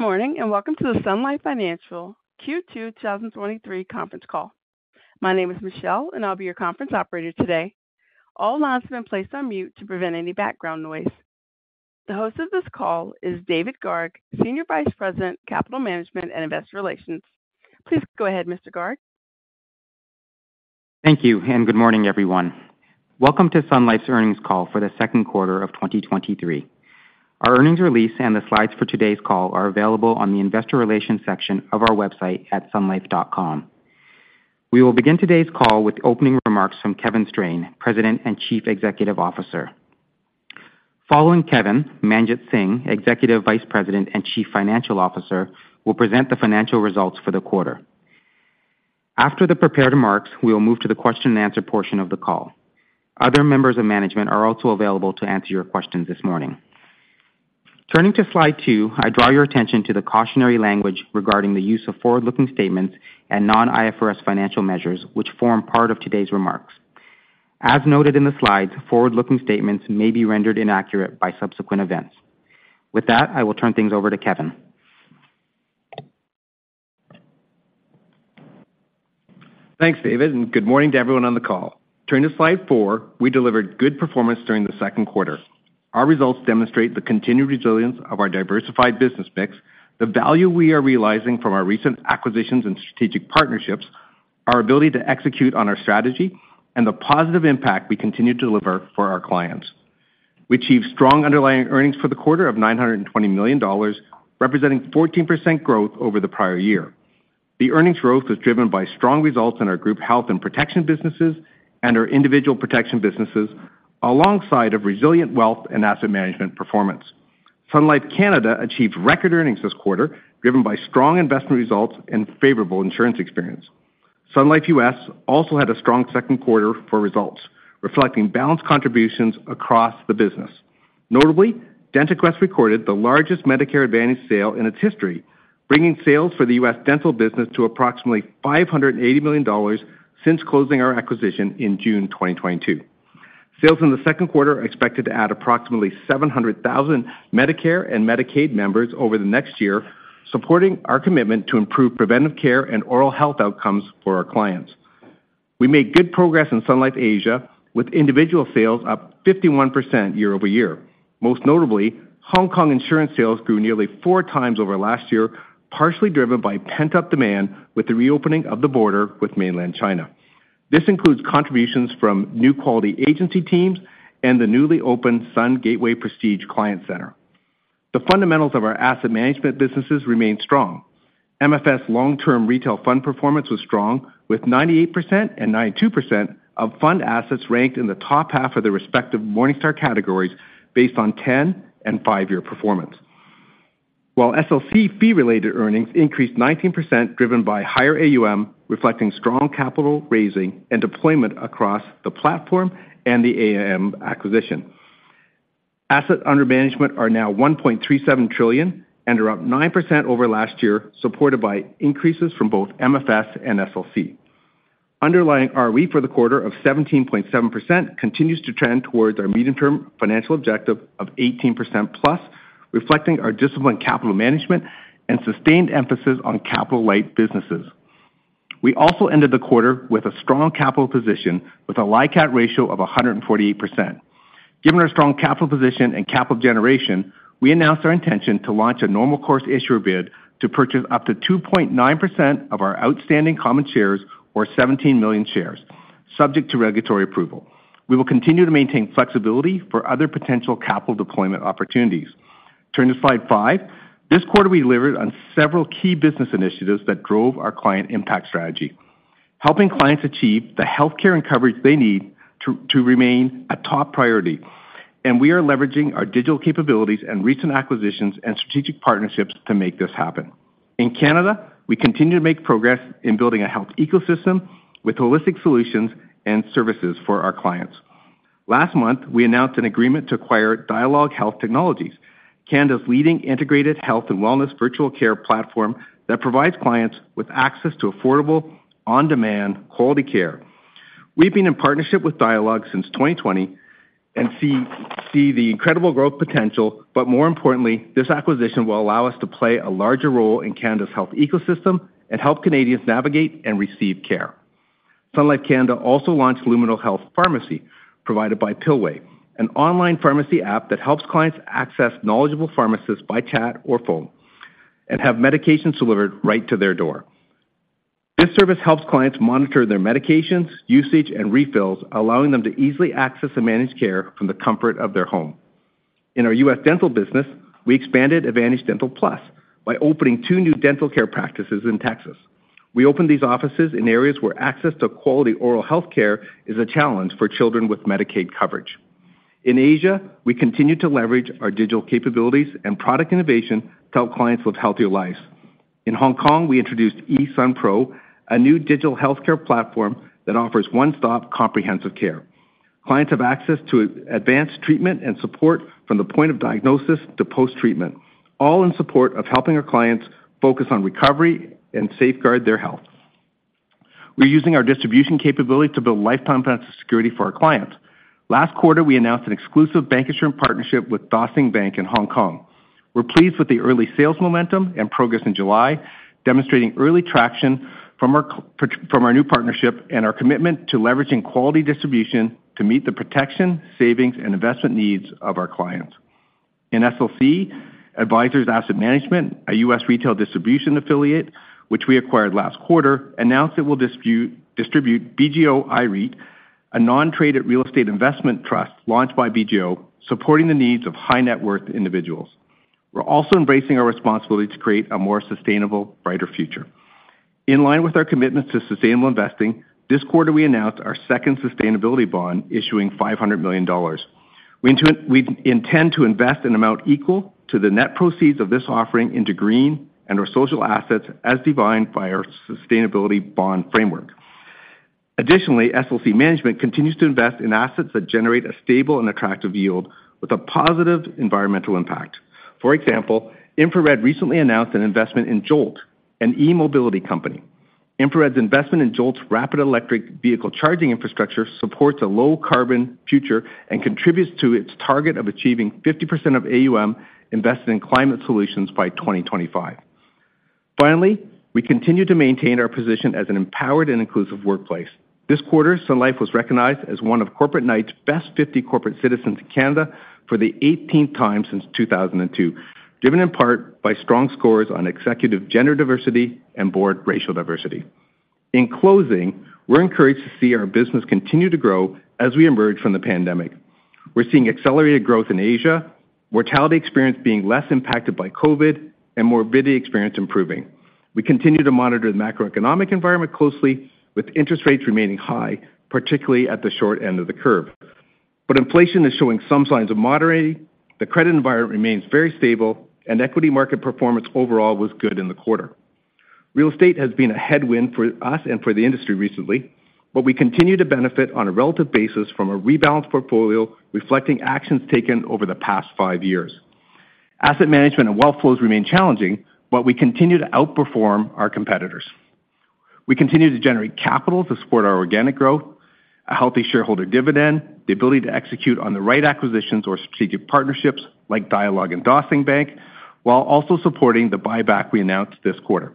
Good morning. Welcome to the Sun Life Financial Q2 2023 conference call. My name is Michelle. I'll be your conference operator today. All lines have been placed on mute to prevent any background noise. The host of this call is David Garg, Senior Vice President, Capital Management and Investor Relations. Please go ahead, Mr. Garg. Thank you, good morning, everyone. Welcome to Sun Life's earnings call for the second quarter of 2023. Our earnings release and the slides for today's call are available on the Investor Relations section of our website at sunlife.com. We will begin today's call with opening remarks from Kevin Strain, President and Chief Executive Officer. Following Kevin, Manjit Singh, Executive Vice President and Chief Financial Officer, will present the financial results for the quarter. After the prepared remarks, we will move to the question and answer portion of the call. Other members of management are also available to answer your questions this morning. Turning to slide 2, I draw your attention to the cautionary language regarding the use of forward-looking statements and non-IFRS financial measures, which form part of today's remarks. As noted in the slides, forward-looking statements may be rendered inaccurate by subsequent events. With that, I will turn things over to Kevin. Thanks, David. Good morning to everyone on the call. Turn to slide 4, we delivered good performance during the second quarter. Our results demonstrate the continued resilience of our diversified business mix, the value we are realizing from our recent acquisitions and strategic partnerships, our ability to execute on our strategy, and the positive impact we continue to deliver for our clients. We achieved strong underlying earnings for the quarter of 920 million dollars, representing 14% growth over the prior year. The earnings growth was driven by strong results in our group health and protection businesses and our individual protection businesses, alongside of resilient wealth and asset management performance. Sun Life Canada achieved record earnings this quarter, driven by strong investment results and favorable insurance experience. Sun Life U.S. also had a strong second quarter for results, reflecting balanced contributions across the business. Notably, DentaQuest recorded the largest Medicare Advantage sale in its history, bringing sales for the U.S. dental business to approximately $580 million since closing our acquisition in June 2022. Sales in the second quarter are expected to add approximately 700,000 Medicare and Medicaid members over the next year, supporting our commitment to improve preventive care and oral health outcomes for our clients. We made good progress in Sun Life Asia, with individual sales up 51% year-over-year. Most notably, Hong Kong insurance sales grew nearly four times over last year, partially driven by pent-up demand with the reopening of the border with mainland China. This includes contributions from new quality agency teams and the newly opened Sun Gateway Prestige Client Center. The fundamentals of our asset management businesses remain strong. MFS long-term retail fund performance was strong, with 98% and 92% of fund assets ranked in the top half of their respective Morningstar categories based on 10 and 5-year performance. While SLC fee-related earnings increased 19%, driven by higher AUM, reflecting strong capital raising and deployment across the platform and the AAM acquisition. Asset under management are now 1.37 trillion and are up 9% over last year, supported by increases from both MFS and SLC. Underlying ROE for the quarter of 17.7% continues to trend towards our medium-term financial objective of 18%+, reflecting our disciplined capital management and sustained emphasis on capital-light businesses. We also ended the quarter with a strong capital position with a LICAT ratio of 148%. Given our strong capital position and capital generation, we announced our intention to launch a normal course issuer bid to purchase up to 2.9% of our outstanding common shares or 17 million shares, subject to regulatory approval. We will continue to maintain flexibility for other potential capital deployment opportunities. Turn to slide five. This quarter, we delivered on several key business initiatives that drove our client impact strategy, helping clients achieve the healthcare and coverage they need to remain a top priority. We are leveraging our digital capabilities and recent acquisitions and strategic partnerships to make this happen. In Canada, we continue to make progress in building a health ecosystem with holistic solutions and services for our clients. Last month, we announced an agreement to acquire Dialogue Health Technologies, Canada's leading integrated health and wellness virtual care platform that provides clients with access to affordable, on-demand, quality care. We've been in partnership with Dialogue since 2020 and see the incredible growth potential. More importantly, this acquisition will allow us to play a larger role in Canada's health ecosystem and help Canadians navigate and receive care. Sun Life Canada also launched Lumino Health Pharmacy, provided by Pillway, an online pharmacy app that helps clients access knowledgeable pharmacists by chat or phone and have medications delivered right to their door. This service helps clients monitor their medications, usage, and refills, allowing them to easily access and manage care from the comfort of their home. In our U.S. dental business, we expanded Advantage Dental+ by opening two new dental care practices in Texas. We opened these offices in areas where access to quality oral health care is a challenge for children with Medicaid coverage. In Asia, we continue to leverage our digital capabilities and product innovation to help clients live healthier lives. In Hong Kong, we introduced eSunPro, a new digital healthcare platform that offers one-stop comprehensive care. Clients have access to advanced treatment and support from the point of diagnosis to post-treatment, all in support of helping our clients focus on recovery and safeguard their health.... We're using our distribution capability to build lifetime financial security for our clients. Last quarter, we announced an exclusive bancassurance partnership with Dah Sing Bank in Hong Kong. We're pleased with the early sales momentum and progress in July, demonstrating early traction from our new partnership and our commitment to leveraging quality distribution to meet the protection, savings, and investment needs of our clients. In SLC, Advisors Asset Management, a U.S. retail distribution affiliate, which we acquired last quarter, announced it will distribute BGO IREIT, a non-traded real estate investment trust launched by BGO, supporting the needs of high-net-worth individuals. We're also embracing our responsibility to create a more sustainable, brighter future. In line with our commitment to sustainable investing, this quarter we announced our second sustainability bond, issuing $500 million. We intend to invest an amount equal to the net proceeds of this offering into green and/or social assets, as defined by our sustainability bond framework. Additionally, SLC Management continues to invest in assets that generate a stable and attractive yield with a positive environmental impact. For example, Infrared recently announced an investment in Jolt, an e-mobility company. Infrared's investment in Jolt's rapid electric vehicle charging infrastructure supports a low-carbon future and contributes to its target of achieving 50% of AUM invested in climate solutions by 2025. We continue to maintain our position as an empowered and inclusive workplace. This quarter, Sun Life was recognized as one of Corporate Knights' Best 50 Corporate Citizens in Canada for the 18th time since 2002, driven in part by strong scores on executive gender diversity and board racial diversity. In closing, we're encouraged to see our business continue to grow as we emerge from the pandemic. We're seeing accelerated growth in Asia, mortality experience being less impacted by COVID, and morbidity experience improving. We continue to monitor the macroeconomic environment closely, with interest rates remaining high, particularly at the short end of the curve. Inflation is showing some signs of moderating, the credit environment remains very stable, and equity market performance overall was good in the quarter. Real estate has been a headwind for us and for the industry recently, but we continue to benefit on a relative basis from a rebalanced portfolio, reflecting actions taken over the past five years. Asset management and wealth flows remain challenging, but we continue to outperform our competitors. We continue to generate capital to support our organic growth, a healthy shareholder dividend, the ability to execute on the right acquisitions or strategic partnerships, like Dialogue and Dah Sing Bank, while also supporting the buyback we announced this quarter.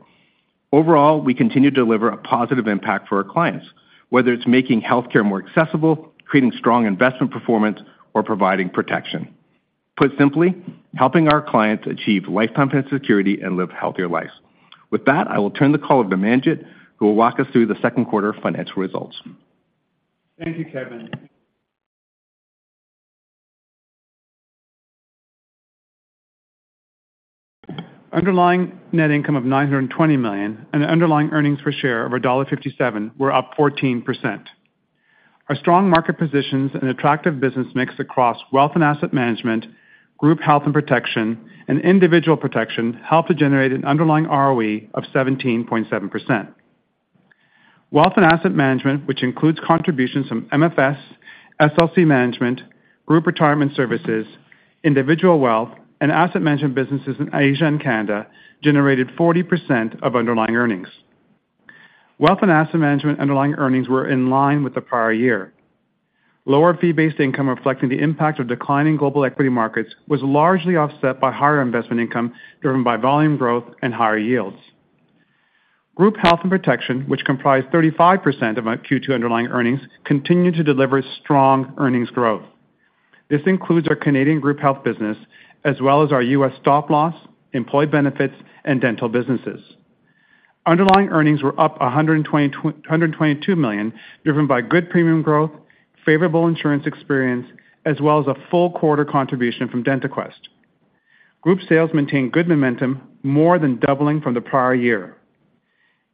Overall, we continue to deliver a positive impact for our clients, whether it's making healthcare more accessible, creating strong investment performance, or providing protection. Put simply, helping our clients achieve lifetime security and live healthier lives. With that, I will turn the call over to Manjit, who will walk us through the second quarter financial results. Thank you, Kevin Strain. Underlying net income of $920 million and underlying earnings per share of $1.57 were up 14%. Our strong market positions and attractive business mix across wealth and asset management, group health and protection, and individual protection helped to generate an underlying ROE of 17.7%. Wealth and asset management, which includes contributions from MFS, SLC Management, Group Retirement Services, Individual Wealth, and Asset Management businesses in Asia and Canada, generated 40% of underlying earnings. Wealth and asset management underlying earnings were in line with the prior year. Lower fee-based income, reflecting the impact of declining global equity markets, was largely offset by higher investment income, driven by volume growth and higher yields. Group Health and Protection, which comprised 35% of our Q2 underlying earnings, continued to deliver strong earnings growth. This includes our Canadian Group Health business, as well as our U.S. stop-loss, employed benefits, and dental businesses. Underlying earnings were up 122 million, driven by good premium growth, favorable insurance experience, as well as a full quarter contribution from DentaQuest. Group sales maintained good momentum, more than doubling from the prior year.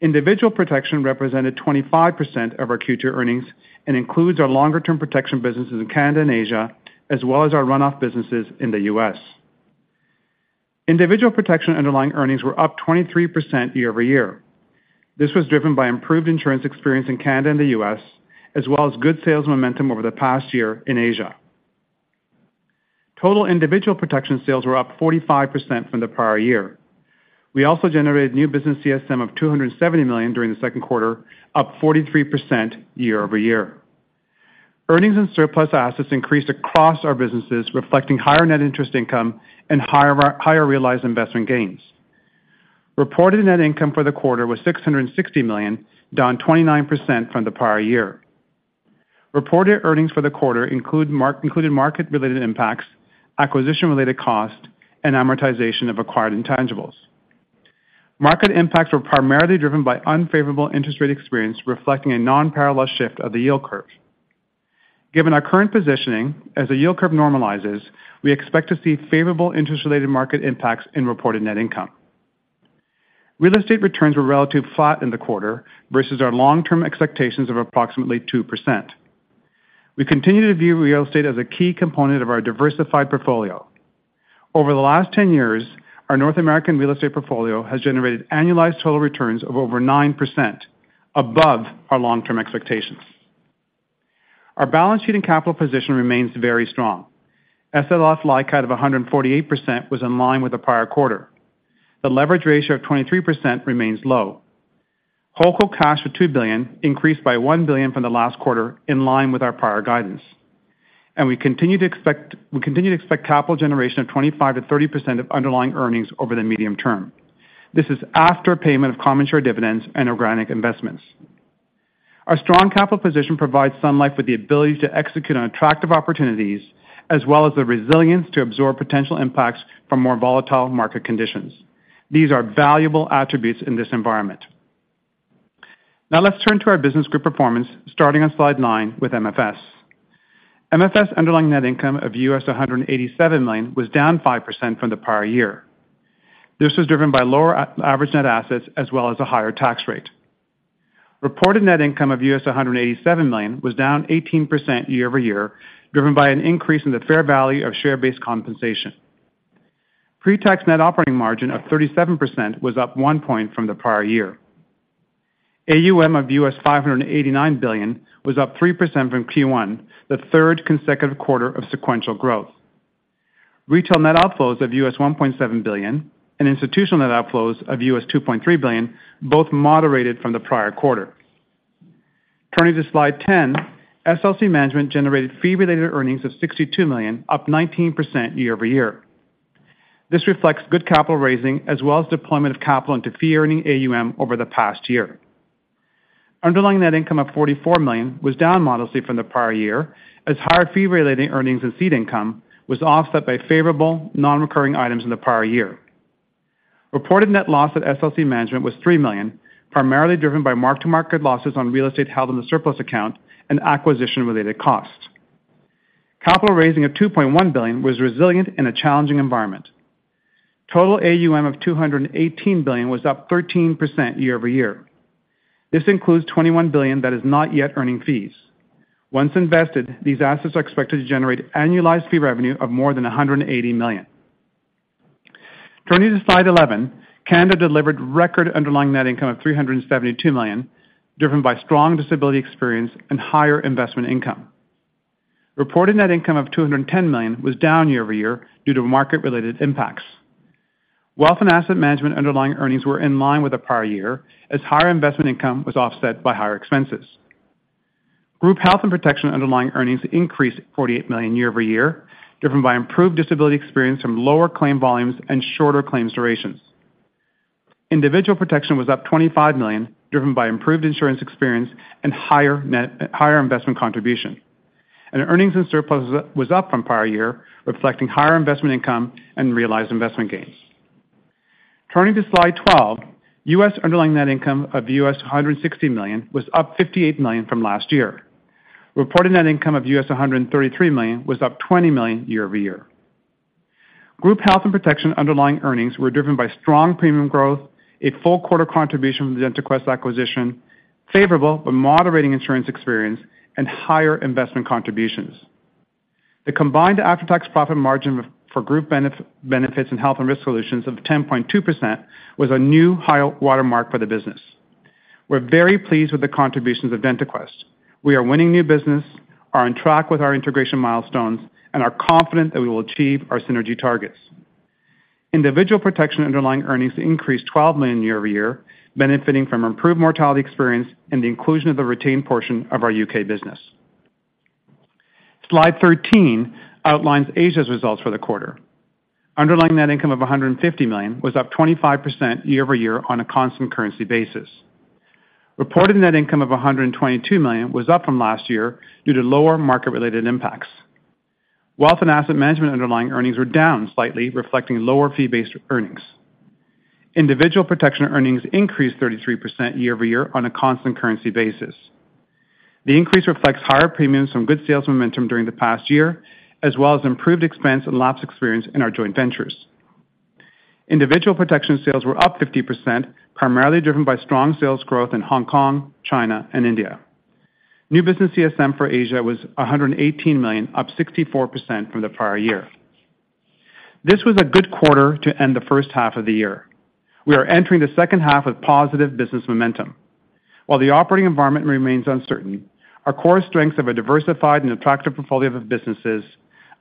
Individual protection represented 25% of our Q2 earnings and includes our longer-term protection businesses in Canada and Asia, as well as our run-off businesses in the U.S. Individual protection underlying earnings were up 23% year-over-year. This was driven by improved insurance experience in Canada and the U.S., as well as good sales momentum over the past year in Asia. Total individual protection sales were up 45% from the prior year. We also generated new business CSM of $270 million during the second quarter, up 43% year-over-year. Earnings and surplus assets increased across our businesses, reflecting higher net interest income and higher realized investment gains. Reported net income for the quarter was $660 million, down 29% from the prior year. Reported earnings for the quarter included market related impacts, acquisition related costs, and amortization of acquired intangibles. Market impacts were primarily driven by unfavorable interest rate experience, reflecting a non-parallel shift of the yield curve. Given our current positioning, as the yield curve normalizes, we expect to see favorable interest-related market impacts in reported net income. Real estate returns were relatively flat in the quarter versus our long-term expectations of approximately 2%. We continue to view real estate as a key component of our diversified portfolio. Over the last 10 years, our North American real estate portfolio has generated annualized total returns of over 9%, above our long-term expectations. Our balance sheet and capital position remains very strong. SLF LICAT of 148% was in line with the prior quarter. The leverage ratio of 23% remains low. Holdco cash of 2 billion increased by 1 billion from the last quarter, in line with our prior guidance. We continue to expect capital generation of 25%-30% of underlying earnings over the medium term. This is after payment of common share dividends and organic investments. Our strong capital position provides Sun Life with the ability to execute on attractive opportunities, as well as the resilience to absorb potential impacts from more volatile market conditions. These are valuable attributes in this environment. Now let's turn to our business group performance, starting on slide 9 with MFS. MFS underlying net income of US $187 million was down 5% from the prior year. This was driven by lower average net assets as well as a higher tax rate. Reported net income of US $187 million was down 18% year-over-year, driven by an increase in the fair value of share-based compensation. Pre-tax net operating margin of 37% was up 1 point from the prior year. AUM of US $589 billion was up 3% from Q1, the third consecutive quarter of sequential growth. Retail net outflows of US $1.7 billion and institutional net outflows of US $2.3 billion, both moderated from the prior quarter. Turning to slide 10, SLC Management generated fee-related earnings of $62 million, up 19% year-over-year. This reflects good capital raising as well as deployment of capital into fee earning AUM over the past year. Underlying net income of CAD 44 million was down modestly from the prior year, as higher fee-related earnings and seed income was offset by favorable non-recurring items in the prior year. Reported net loss at SLC Management was 3 million, primarily driven by mark-to-market losses on real estate held in the surplus account and acquisition-related costs. Capital raising of 2.1 billion was resilient in a challenging environment. Total AUM of 218 billion was up 13% year-over-year. This includes 21 billion that is not yet earning fees. Once invested, these assets are expected to generate annualized fee revenue of more than 180 million. Turning to slide 11, Canada delivered record underlying net income of 372 million, driven by strong disability experience and higher investment income. Reported net income of CAD 210 million was down year-over-year due to market related impacts. Wealth and asset management underlying earnings were in line with the prior year, as higher investment income was offset by higher expenses. Group Health and Protection underlying earnings increased 48 million year-over-year, driven by improved disability experience from lower claim volumes and shorter claims durations. Individual protection was up 25 million, driven by improved insurance experience and higher investment contribution. Earnings and surplus was up from prior year, reflecting higher investment income and realized investment gains. Turning to slide 12, U.S. underlying net income of $160 million was up $58 million from last year. Reported net income of US $133 million was up $20 million year-over-year. Group Health and Protection underlying earnings were driven by strong premium growth, a full quarter contribution from the DentaQuest acquisition, favorable but moderating insurance experience, and higher investment contributions. The combined after-tax profit margin for group benefits and health and risk solutions of 10.2% was a new high watermark for the business. We're very pleased with the contributions of DentaQuest. We are winning new business, are on track with our integration milestones, and are confident that we will achieve our synergy targets. Individual protection underlying earnings increased $12 million year-over-year, benefiting from improved mortality experience and the inclusion of the retained portion of our UK business. Slide 13 outlines Asia's results for the quarter. Underlying net income of 150 million was up 25% year-over-year on a constant currency basis. Reported net income of CAD 122 million was up from last year due to lower market related impacts. Wealth and asset management underlying earnings were down slightly, reflecting lower fee-based earnings. Individual protection earnings increased 33% year-over-year on a constant currency basis. The increase reflects higher premiums from good sales momentum during the past year, as well as improved expense and lapse experience in our joint ventures. Individual protection sales were up 50%, primarily driven by strong sales growth in Hong Kong, China, and India. New business CSM for Asia was 118 million, up 64% from the prior year. This was a good quarter to end the first half of the year. We are entering the second half with positive business momentum. While the operating environment remains uncertain, our core strengths of a diversified and attractive portfolio of businesses,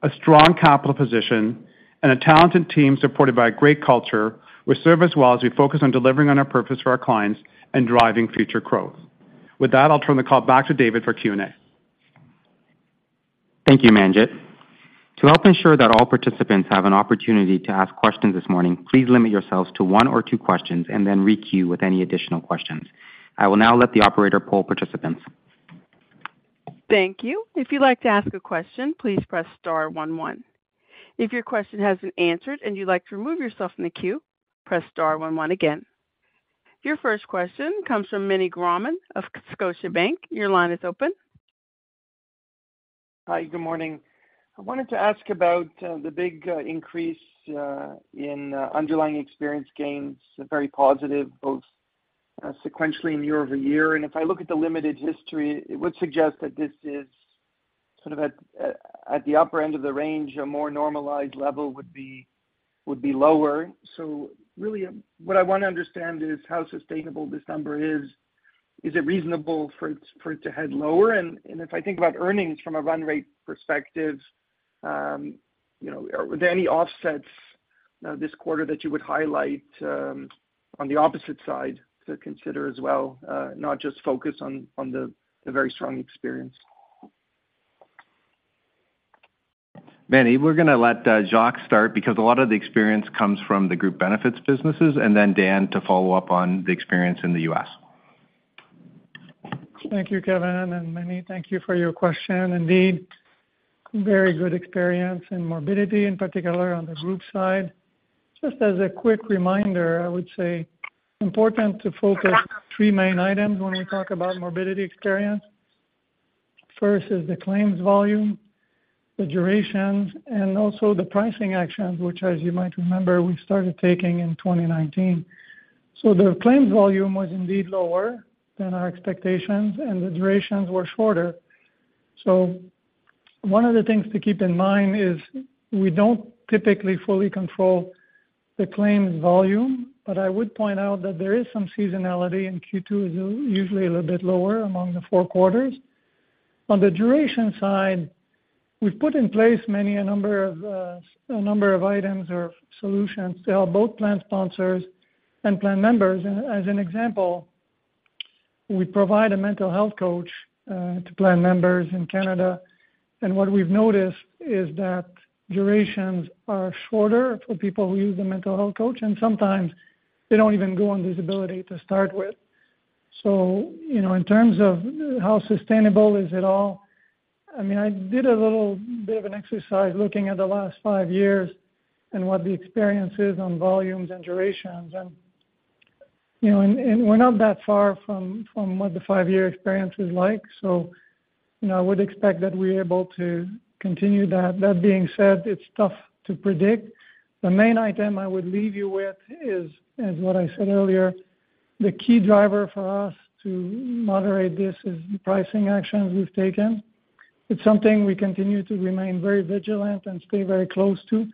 a strong capital position, and a talented team supported by a great culture, will serve us well as we focus on delivering on our purpose for our clients and driving future growth. With that, I'll turn the call back to David for Q&A. Thank you, Manjit. To help ensure that all participants have an opportunity to ask questions this morning, please limit yourselves to 1 or 2 questions and then re-queue with any additional questions. I will now let the operator poll participants. Thank you. If you'd like to ask a question, please press star one, one. If your question has been answered and you'd like to remove yourself from the queue, press star one, one again. Your first question comes from Meny Grauman of Scotiabank. Your line is open. Hi, good morning. I wanted to ask about the big increase in underlying experience gains, very positive, both sequentially and year-over-year. If I look at the limited history, it would suggest that this is sort of at, at, at the upper end of the range. A more normalized level would be? Would be lower. Really, what I want to understand is how sustainable this number is. Is it reasonable for it, for it to head lower? If I think about earnings from a run rate perspective, you know, are there any offsets this quarter that you would highlight on the opposite side to consider as well, not just focus on, on the, the very strong experience? Meny, we're going to let Jacques start because a lot of the experience comes from the group benefits businesses, and then Dan, to follow up on the experience in the U.S. Thank you, Kevin. Manny, thank you for your question. Indeed, very good experience in morbidity, in particular on the group side. Just as a quick reminder, I would say, important to focus three main items when we talk about morbidity experience. First is the claims volume, the durations, and also the pricing actions, which, as you might remember, we started taking in 2019. The claims volume was indeed lower than our expectations, and the durations were shorter. One of the things to keep in mind is we don't typically fully control the claims volume, but I would point out that there is some seasonality, and Q2 is usually a little bit lower among the four quarters. On the duration side, we've put in place, Manny, a number of a number of items or solutions to help both plan sponsors and plan members. As an example, we provide a mental health coach to plan members in Canada, and what we've noticed is that durations are shorter for people who use the mental health coach, and sometimes they don't even go on disability to start with. You know, in terms of how sustainable is it all, I mean, I did a little bit of an exercise looking at the last five years and what the experience is on volumes and durations. You know, and, and we're not that far from, from what the five-year experience is like, so, you know, I would expect that we're able to continue that. That being said, it's tough to predict. The main item I would leave you with is, as what I said earlier, the key driver for us to moderate this is the pricing actions we've taken. It's something we continue to remain very vigilant and stay very close to,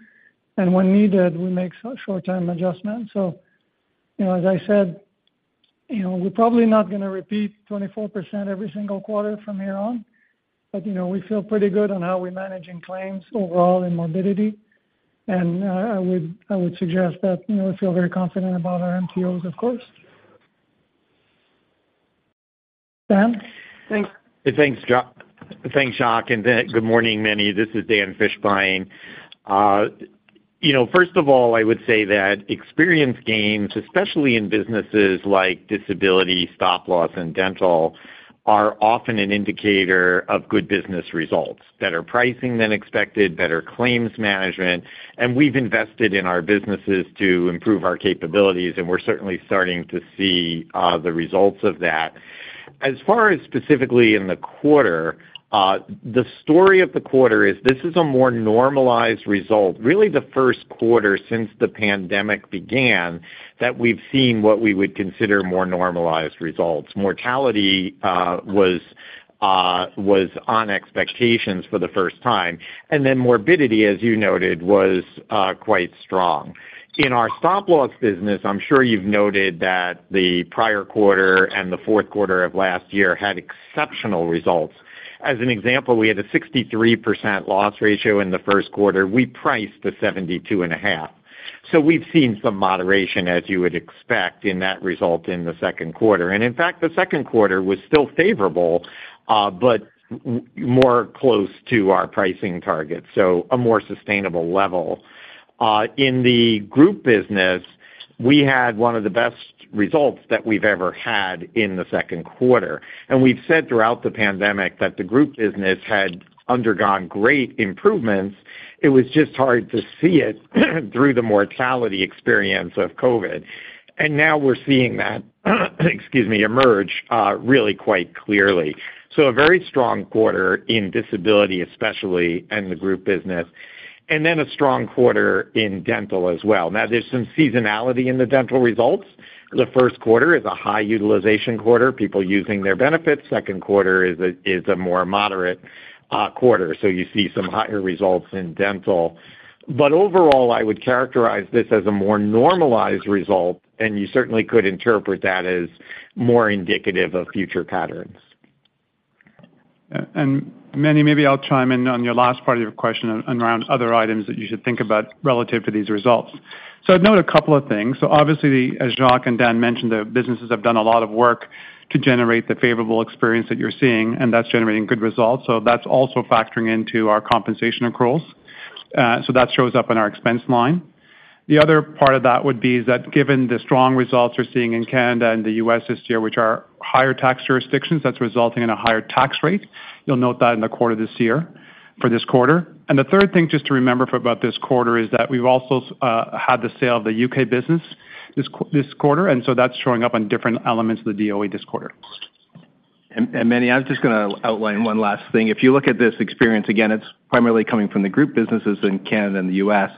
and when needed, we make so- short-term adjustments. You know, as I said, you know, we're probably not going to repeat 24% every single quarter from here on. You know, we feel pretty good on how we're managing claims overall in morbidity. I would, I would suggest that, you know, we feel very confident about our MTOs, of course. Dan? Thanks. Thanks, thanks, Jacques. Good morning, Manny. This is Dan Fishbein. you know, first of all, I would say that experience gains, especially in businesses like disability, stop loss, and dental, are often an indicator of good business results. Better pricing than expected, better claims management. We've invested in our businesses to improve our capabilities. We're certainly starting to see the results of that. As far as specifically in the quarter, the story of the quarter is this is a more normalized result, really the first quarter since the pandemic began, that we've seen what we would consider more normalized results. Mortality was on expectations for the first time. Morbidity, as you noted, was quite strong. In our stop loss business, I'm sure you've noted that the prior quarter and the fourth quarter of last year had exceptional results. As an example, we had a 63% loss ratio in the first quarter. We priced a 72.5%. We've seen some moderation, as you would expect, in that result in the second quarter. In fact, the second quarter was still favorable, but more close to our pricing targets, so a more sustainable level. In the group business, we had one of the best results that we've ever had in the second quarter. We've said throughout the pandemic that the group business had undergone great improvements. It was just hard to see it, through the mortality experience of COVID. Now we're seeing that, excuse me, emerge, really quite clearly. A very strong quarter in disability, especially in the group business, and then a strong quarter in dental as well. There's some seasonality in the dental results. The first quarter is a high utilization quarter, people using their benefits. Second quarter is a, is a more moderate quarter, so you see some higher results in dental. Overall, I would characterize this as a more normalized result, and you certainly could interpret that as more indicative of future patterns. Meny, maybe I'll chime in on your last part of your question around other items that you should think about relative to these results. I'd note a couple of things. Obviously, as Jacques and Dan mentioned, the businesses have done a lot of work to generate the favorable experience that you're seeing, and that's generating good results. That's also factoring into our compensation accruals, so that shows up in our expense line. The other part of that would be that given the strong results we're seeing in Canada and the U.S. this year, which are higher tax jurisdictions, that's resulting in a higher tax rate. You'll note that in the quarter this year, for this quarter. The third thing just to remember for about this quarter is that we've also had the sale of the U.K. business this quarter. So that's showing up on different elements of the DOE this quarter. Meny, I was just gonna outline one last thing. If you look at this experience, again, it's primarily coming from the group businesses in Canada and the U.S.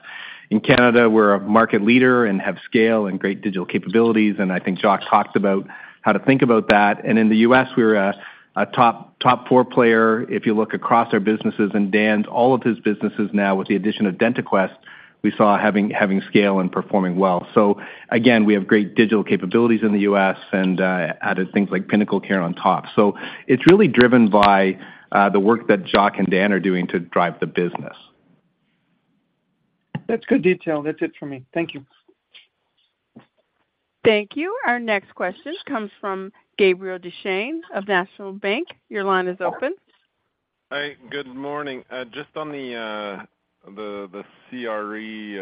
In Canada, we're a market leader and have scale and great digital capabilities, and I think Jacques talked about how to think about that. In the U.S., we're a, a top, top four player. If you look across our businesses and Dan, all of his businesses now, with the addition of DentaQuest, we saw having, having scale and performing well. So again, we have great digital capabilities in the U.S. and added things like PinnacleCare on top. So it's really driven by the work that Jacques and Dan are doing to drive the business. That's good detail. That's it for me. Thank you. Thank you. Our next question comes from Gabriel Dechaine of National Bank. Your line is open. Hi, good morning. Just on the CRE, you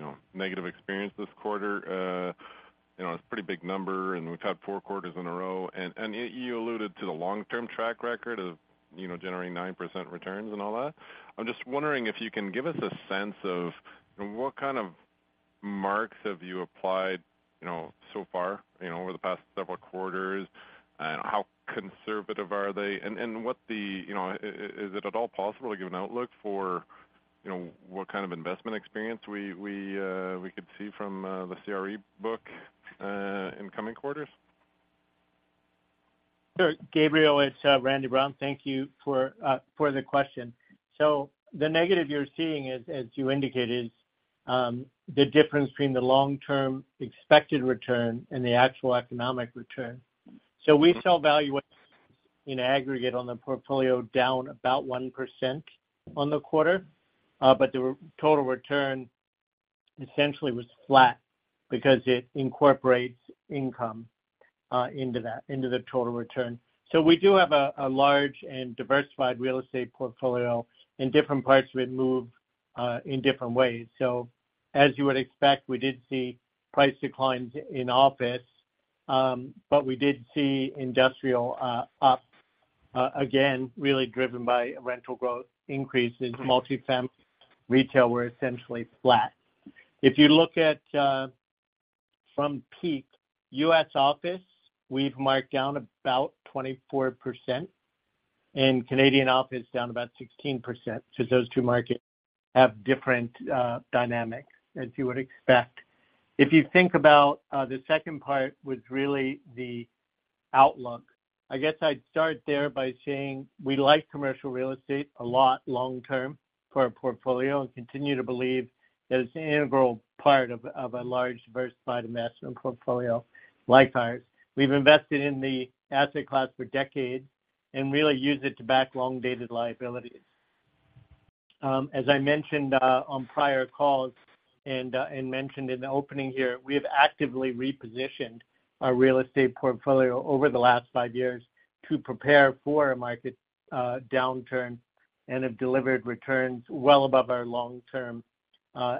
know, negative experience this quarter, you know, it's a pretty big number, and we've had four quarters in a row. You alluded to the long-term track record of, you know, generating 9% returns and all that. I'm just wondering if you can give us a sense of what kind of marks have you applied, you know, so far, you know, over the past several quarters, and how conservative are they? What the, you know, is it at all possible to give an outlook for, you know, what kind of investment experience we could see from the CRE book in coming quarters? Sure, Gabriel, it's Randy Brown. Thank you for the question. The negative you're seeing is, as you indicated, the difference between the long-term expected return and the actual economic return. We saw valuations in aggregate on the portfolio down about 1% on the quarter. But the r- total return essentially was flat because it incorporates income into that, into the total return. We do have a, a large and diversified real estate portfolio, and different parts of it move in different ways. As you would expect, we did see price declines in office, but we did see industrial up again, really driven by rental growth increase in multi-fam. Retail were essentially flat. If you look at from peak, U.S. office, we've marked down about 24%, and Canadian office down about 16%. Those two markets have different dynamics, as you would expect. If you think about the second part, was really the outlook. I guess I'd start there by saying we like commercial real estate a lot long term for our portfolio and continue to believe that it's an integral part of, of a large, diversified investment portfolio like ours. We've invested in the asset class for decades and really used it to back long-dated liabilities. As I mentioned, on prior calls and mentioned in the opening here, we have actively repositioned our real estate portfolio over the last five years to prepare for a market downturn and have delivered returns well above our long-term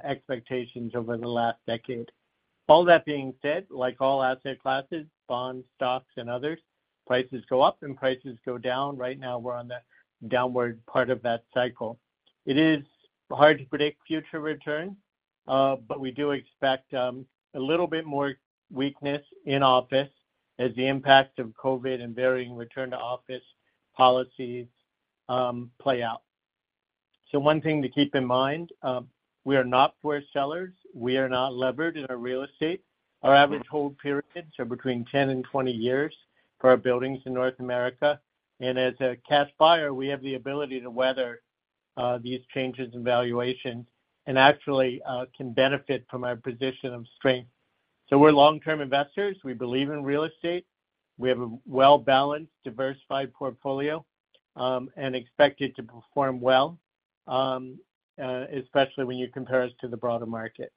expectations over the last decade. All that being said, like all asset classes, bonds, stocks, and others, prices go up, and prices go down. Right now, we're on the downward part of that cycle. It is hard to predict future returns, but we do expect a little bit more weakness in office as the impact of COVID and varying return-to-office policies play out. One thing to keep in mind, we are not poor sellers. We are not levered in our real estate. Our average hold periods are between 10 and 20 years for our buildings in North America, and as a cash buyer, we have the ability to weather these changes in valuations and actually can benefit from our position of strength. We're long-term investors. We believe in real estate. We have a well-balanced, diversified portfolio, and expect it to perform well, especially when you compare us to the broader market.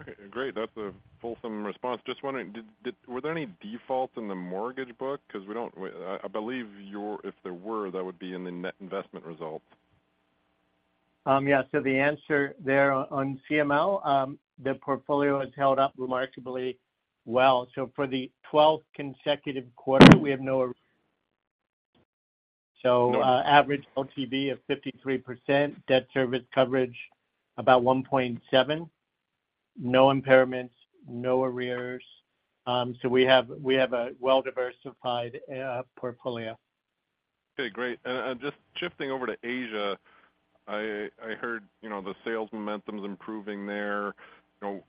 Okay, great. That's a fulsome response. Just wondering, did were there any defaults in the mortgage book? 'Cause we don't... I believe if there were, that would be in the net investment result. Yeah, the answer there on CML, the portfolio has held up remarkably well. For the 12th consecutive quarter, average LTV of 53%, debt service coverage about 1.7, no impairments, no arrears. We have, we have a well-diversified portfolio. Okay, great. Just shifting over to Asia, I heard, you know, the sales momentum is improving there. You know,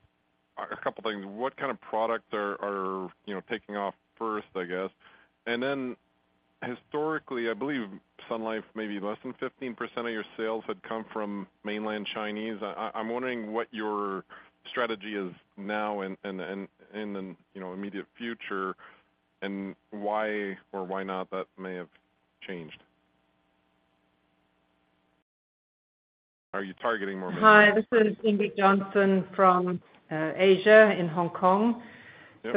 a couple things: What kind of products are, you know, taking off first, I guess? Historically, I believe Sun Life, maybe less than 15% of your sales had come from mainland Chinese. I'm wondering what your strategy is now and in the, you know, immediate future, and why or why not that may have changed. Are you targeting more- Hi, this is Ingrid Johnson from Asia in Hong Kong. Yep.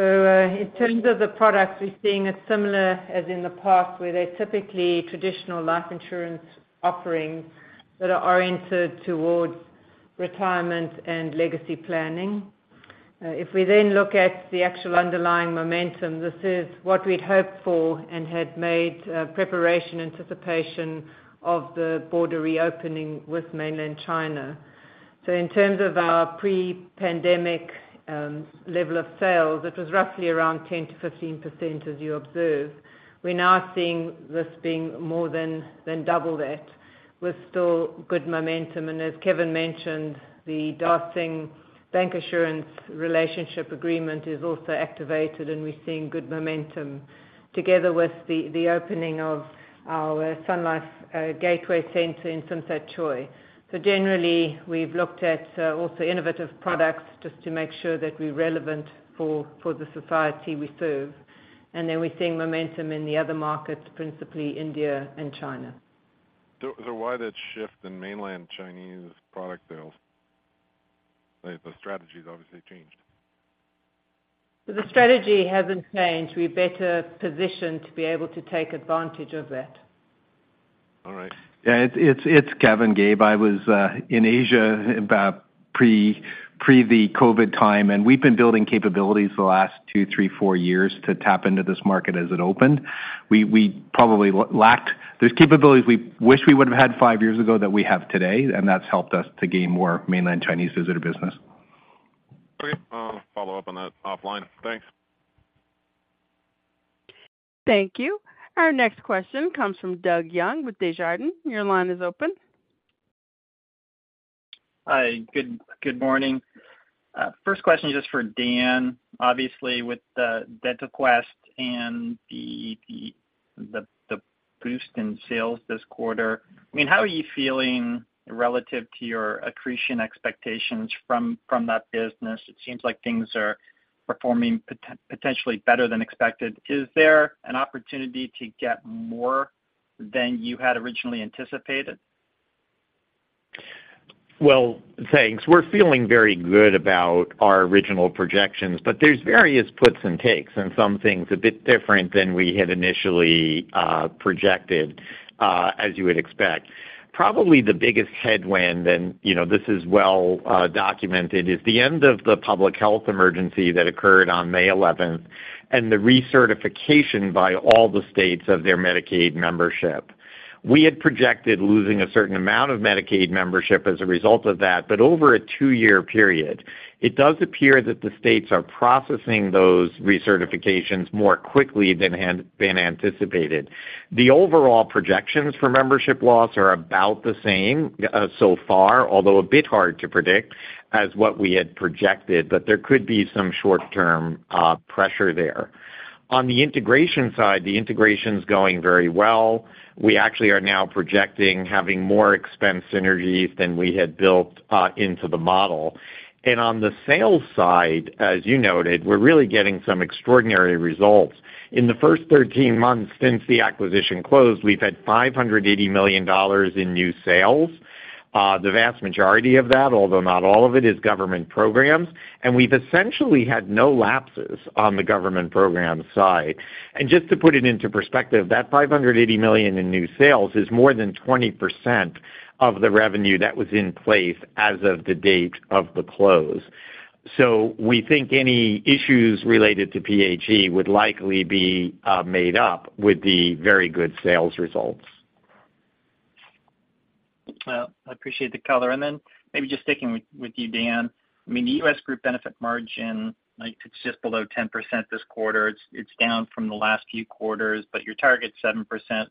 In terms of the products, we're seeing it similar as in the past, where they're typically traditional life insurance offerings that are oriented towards retirement and legacy planning. If we then look at the actual underlying momentum, this is what we'd hoped for and had made preparation, anticipation of the border reopening with mainland China. In terms of our pre-pandemic level of sales, it was roughly around 10%-15%, as you observe. We're now seeing this being more than, than double that with still good momentum. As Kevin mentioned, the Dah Sing Bank bancassurance relationship agreement is also activated, and we're seeing good momentum together with the opening of our Sun Gateway center in Tsim Sha Tsui. Generally, we've looked at also innovative products just to make sure that we're relevant for the society we serve. We're seeing momentum in the other markets, principally India and China. So why that shift in mainland Chinese product sales? The strategy's obviously changed. The strategy hasn't changed. We're better positioned to be able to take advantage of that. All right. Yeah, it's, it's, it's Kevin, Gabe. I was in Asia about pre- pre the COVID time. We've been building capabilities for the last two, three, four years to tap into this market as it opened. We, we probably lacked. There's capabilities we wish we would have had five years ago that we have today, and that's helped us to gain more mainland Chinese visitor business. Okay. I'll follow up on that offline. Thanks. Thank you. Our next question comes from Doug Young, with Desjardins. Your line is open. Hi, good, good morning. First question is just for Dan Fishbein. Obviously, with the DentaQuest and the boost in sales this quarter, I mean, how are you feeling relative to your accretion expectations from that business? It seems like things are performing potentially better than expected. Is there an opportunity to get more than you had originally anticipated? Well, thanks. We're feeling very good about our original projections, but there's various puts and takes, and some things a bit different than we had initially projected as you would expect. Probably the biggest headwind, and, you know, this is well documented, is the end of the Public Health Emergency that occurred on May 11th, and the recertification by all the states of their Medicaid membership. We had projected losing a certain amount of Medicaid membership as a result of that, but over a two-year period, it does appear that the states are processing those recertifications more quickly than had been anticipated. The overall projections for membership loss are about the same so far, although a bit hard to predict, as what we had projected, but there could be some short-term pressure there. On the integration side, the integration's going very well. We actually are now projecting having more expense synergies than we had built into the model. On the sales side, as you noted, we're really getting some extraordinary results. In the first 13 months since the acquisition closed, we've had $580 million in new sales. The vast majority of that, although not all of it, is government programs, and we've essentially had no lapses on the government program side. Just to put it into perspective, that $580 million in new sales is more than 20% of the revenue that was in place as of the date of the close. We think any issues related to PHE would likely be made up with the very good sales results. Well, I appreciate the color. Then maybe just sticking with, with you, Dan. I mean, the U.S. group benefit margin, like, it's just below 10% this quarter. It's, it's down from the last few quarters, your target's 7%.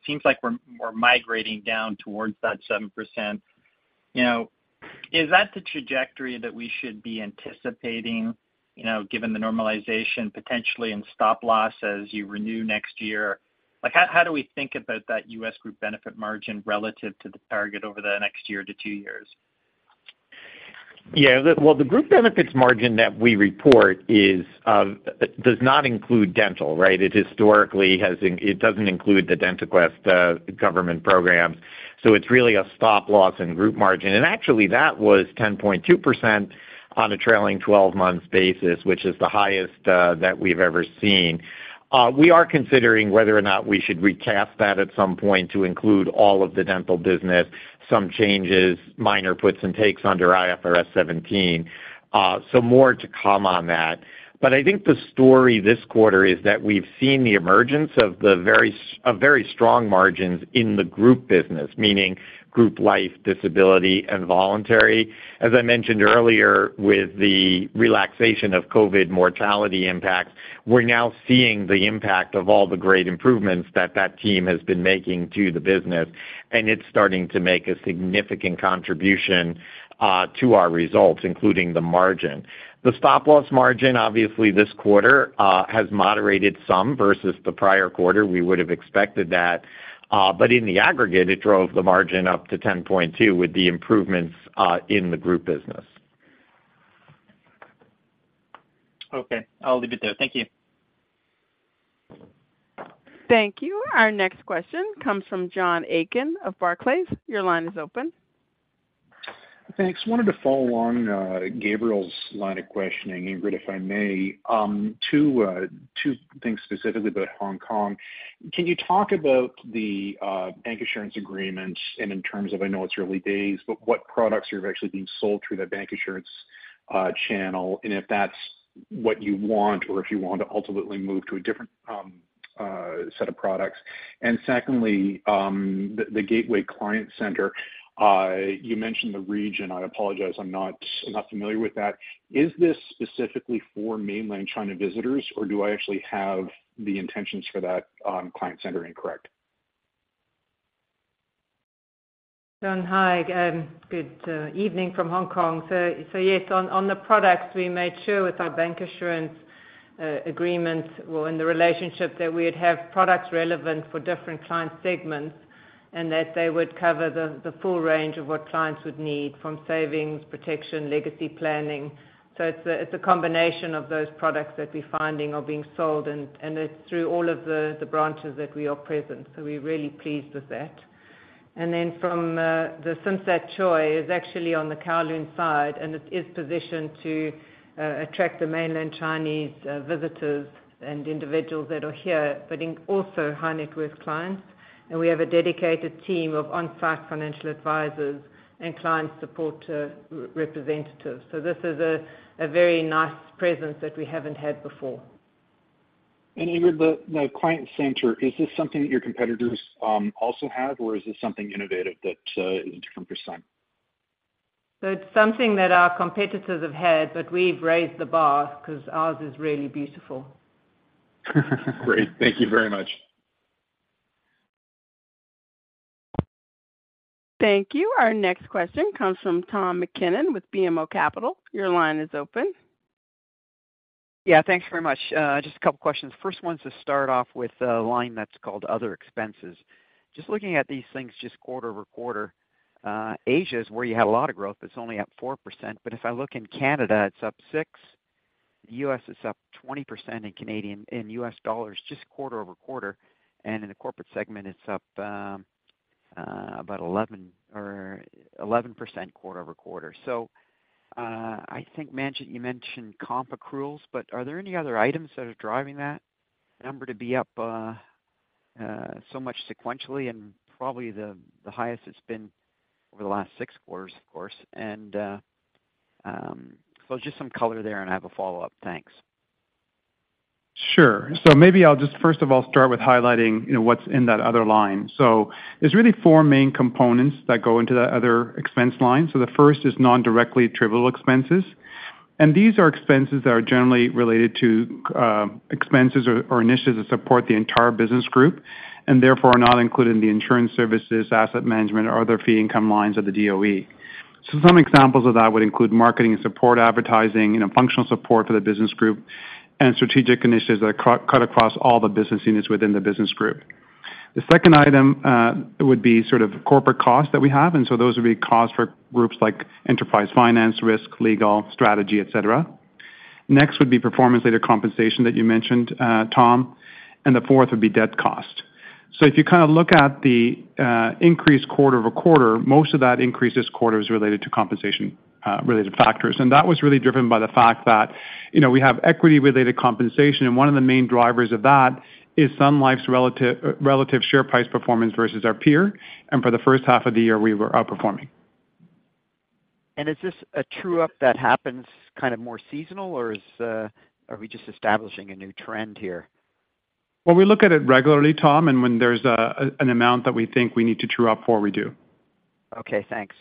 Seems like we're, we're migrating down towards that 7%. You know, is that the trajectory that we should be anticipating, you know, given the normalization potentially in stop loss as you renew next year? Like, how, how do we think about that U.S. group benefit margin relative to the target over the next year to two years? Yeah, well, the group benefits margin that we report is, does not include dental, right? It doesn't include the DentaQuest government programs, so it's really a stop loss in group margin. Actually, that was 10.2% on a trailing 12 months basis, which is the highest that we've ever seen. We are considering whether or not we should recast that at some point to include all of the dental business, some changes, minor puts and takes under IFRS 17. More to come on that. I think the story this quarter is that we've seen the emergence of the very of very strong margins in the group business, meaning group life, disability, and voluntary. As I mentioned earlier, with the relaxation of COVID mortality impact, we're now seeing the impact of all the great improvements that that team has been making to the business, and it's starting to make a significant contribution, to our results, including the margin. The stop-loss margin, obviously, this quarter, has moderated some versus the prior quarter. We would have expected that, but in the aggregate, it drove the margin up to 10.2% with the improvements, in the group business. Okay. I'll leave it there. Thank you. Thank you. Our next question comes from John Aiken of Barclays. Your line is open. Thanks. Wanted to follow along Gabriel's line of questioning, Ingrid, if I may. Two, two things specifically about Hong Kong. Can you talk about the bank insurance agreement and in terms of, I know it's early days, but what products are actually being sold through that bank insurance channel? If that's what you want, or if you want to ultimately move to a different set of products? Secondly, the Gateway client center, you mentioned the region. I apologize, I'm not, I'm not familiar with that. Is this specifically for mainland China visitors, or do I actually have the intentions for that client center incorrect? John, hi, good evening from Hong Kong. Yes, on, on the products, we made sure with our bancassurance agreement well, in the relationship, that we'd have products relevant for different client segments, and that they would cover the, the full range of what clients would need from savings, protection, legacy planning. It's a, it's a combination of those products that we're finding are being sold, and, and it's through all of the, the branches that we are present. We're really pleased with that. Then from, the Tsim Sha Tsui is actually on the Kowloon side, and it is positioned to attract the mainland Chinese visitors and individuals that are here, but in also high net worth clients. We have a dedicated team of on-site financial advisors and client support representatives. This is a, a very nice presence that we haven't had before. Ingrid, the, the client center, is this something that your competitors, also have, or is this something innovative that, is different for Sun? It's something that our competitors have had, but we've raised the bar because ours is really beautiful. Great. Thank you very much. Thank you. Our next question comes from Tom MacKinnon with BMO Capital. Your line is open. Yeah, thanks very much. Just a couple questions. First one, to start off with a line that's called other expenses. Just looking at these things just quarter-over-quarter, Asia is where you had a lot of growth. It's only up 4%, but if I look in Canada, it's up 6%. The U.S. is up 20% in U.S. dollars, just quarter-over-quarter. In the corporate segment, it's up about 11% or 11% quarter-over-quarter. I think you mentioned comp accruals, but are there any other items that are driving that number to be up so much sequentially and probably the highest it's been over the last 6 quarters, of course? Just some color there, and I have a follow-up. Thanks. Sure. Maybe I'll just first of all, start with highlighting, you know, what's in that other line. There's really four main components that go into that other expense line. The first is non-directly attributable expenses, and these are expenses that are generally related to expenses or, or initiatives that support the entire business group, and therefore are not included in the insurance services, asset management, or other fee income lines of the DOE. Some examples of that would include marketing and support, advertising, you know, functional support for the business group, and strategic initiatives that cut across all the business units within the business group. The second item would be sort of corporate costs that we have, and so those would be costs for groups like enterprise finance, risk, legal, strategy, et cetera. Next would be performance-related compensation that you mentioned, Tom. The 4th would be debt cost. If you kind of look at the increase quarter-over-quarter, most of that increase this quarter is related to compensation related factors. That was really driven by the fact that, you know, we have equity-related compensation, and one of the main drivers of that is Sun Life's relative relative share price performance versus our peer, and for the 1st half of the year, we were outperforming. Is this a true-up that happens kind of more seasonal, or are we just establishing a new trend here? Well, we look at it regularly, Tom, when there's an amount that we think we need to true up for, we do. Okay, thanks.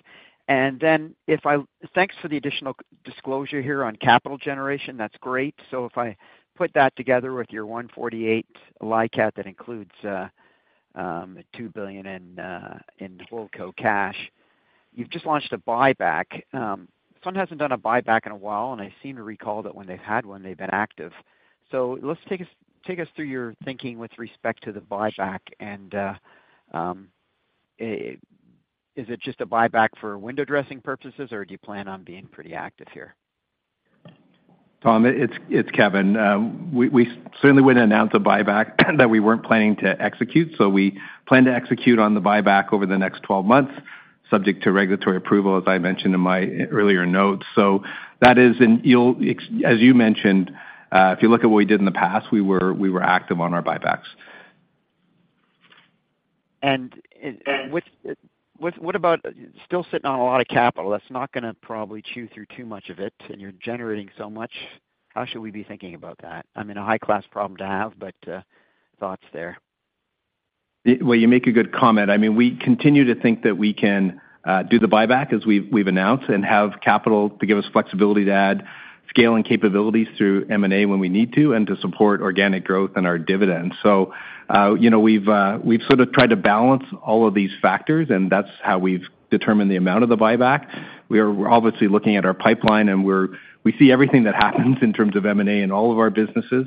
Thanks for the additional disclosure here on capital generation. That's great. If I put that together with your 148 LICAT, that includes 2 billion in Holdco cash. You've just launched a buyback. Sun hasn't done a buyback in a while, and I seem to recall that when they've had one, they've been active. Let's take us through your thinking with respect to the buyback, and is it just a buyback for window dressing purposes, or do you plan on being pretty active here? Tom, it's Kevin. We certainly wouldn't announce a buyback that we weren't planning to execute, so we plan to execute on the buyback over the next 12 months, subject to regulatory approval, as I mentioned in my earlier notes. That is, and you'll as you mentioned, if you look at what we did in the past, we were active on our buybacks. What's about still sitting on a lot of capital? That's not gonna probably chew through too much of it, and you're generating so much. How should we be thinking about that? I mean, a high-class problem to have, but, thoughts there. Well, you make a good comment. I mean, we continue to think that we can do the buyback as we've, we've announced, and have capital to give us flexibility to add scale and capabilities through M&A when we need to, and to support organic growth and our dividends. You know, we've, we've sort of tried to balance all of these factors, and that's how we've determined the amount of the buyback. We are obviously looking at our pipeline, and we see everything that happens in terms of M&A in all of our businesses,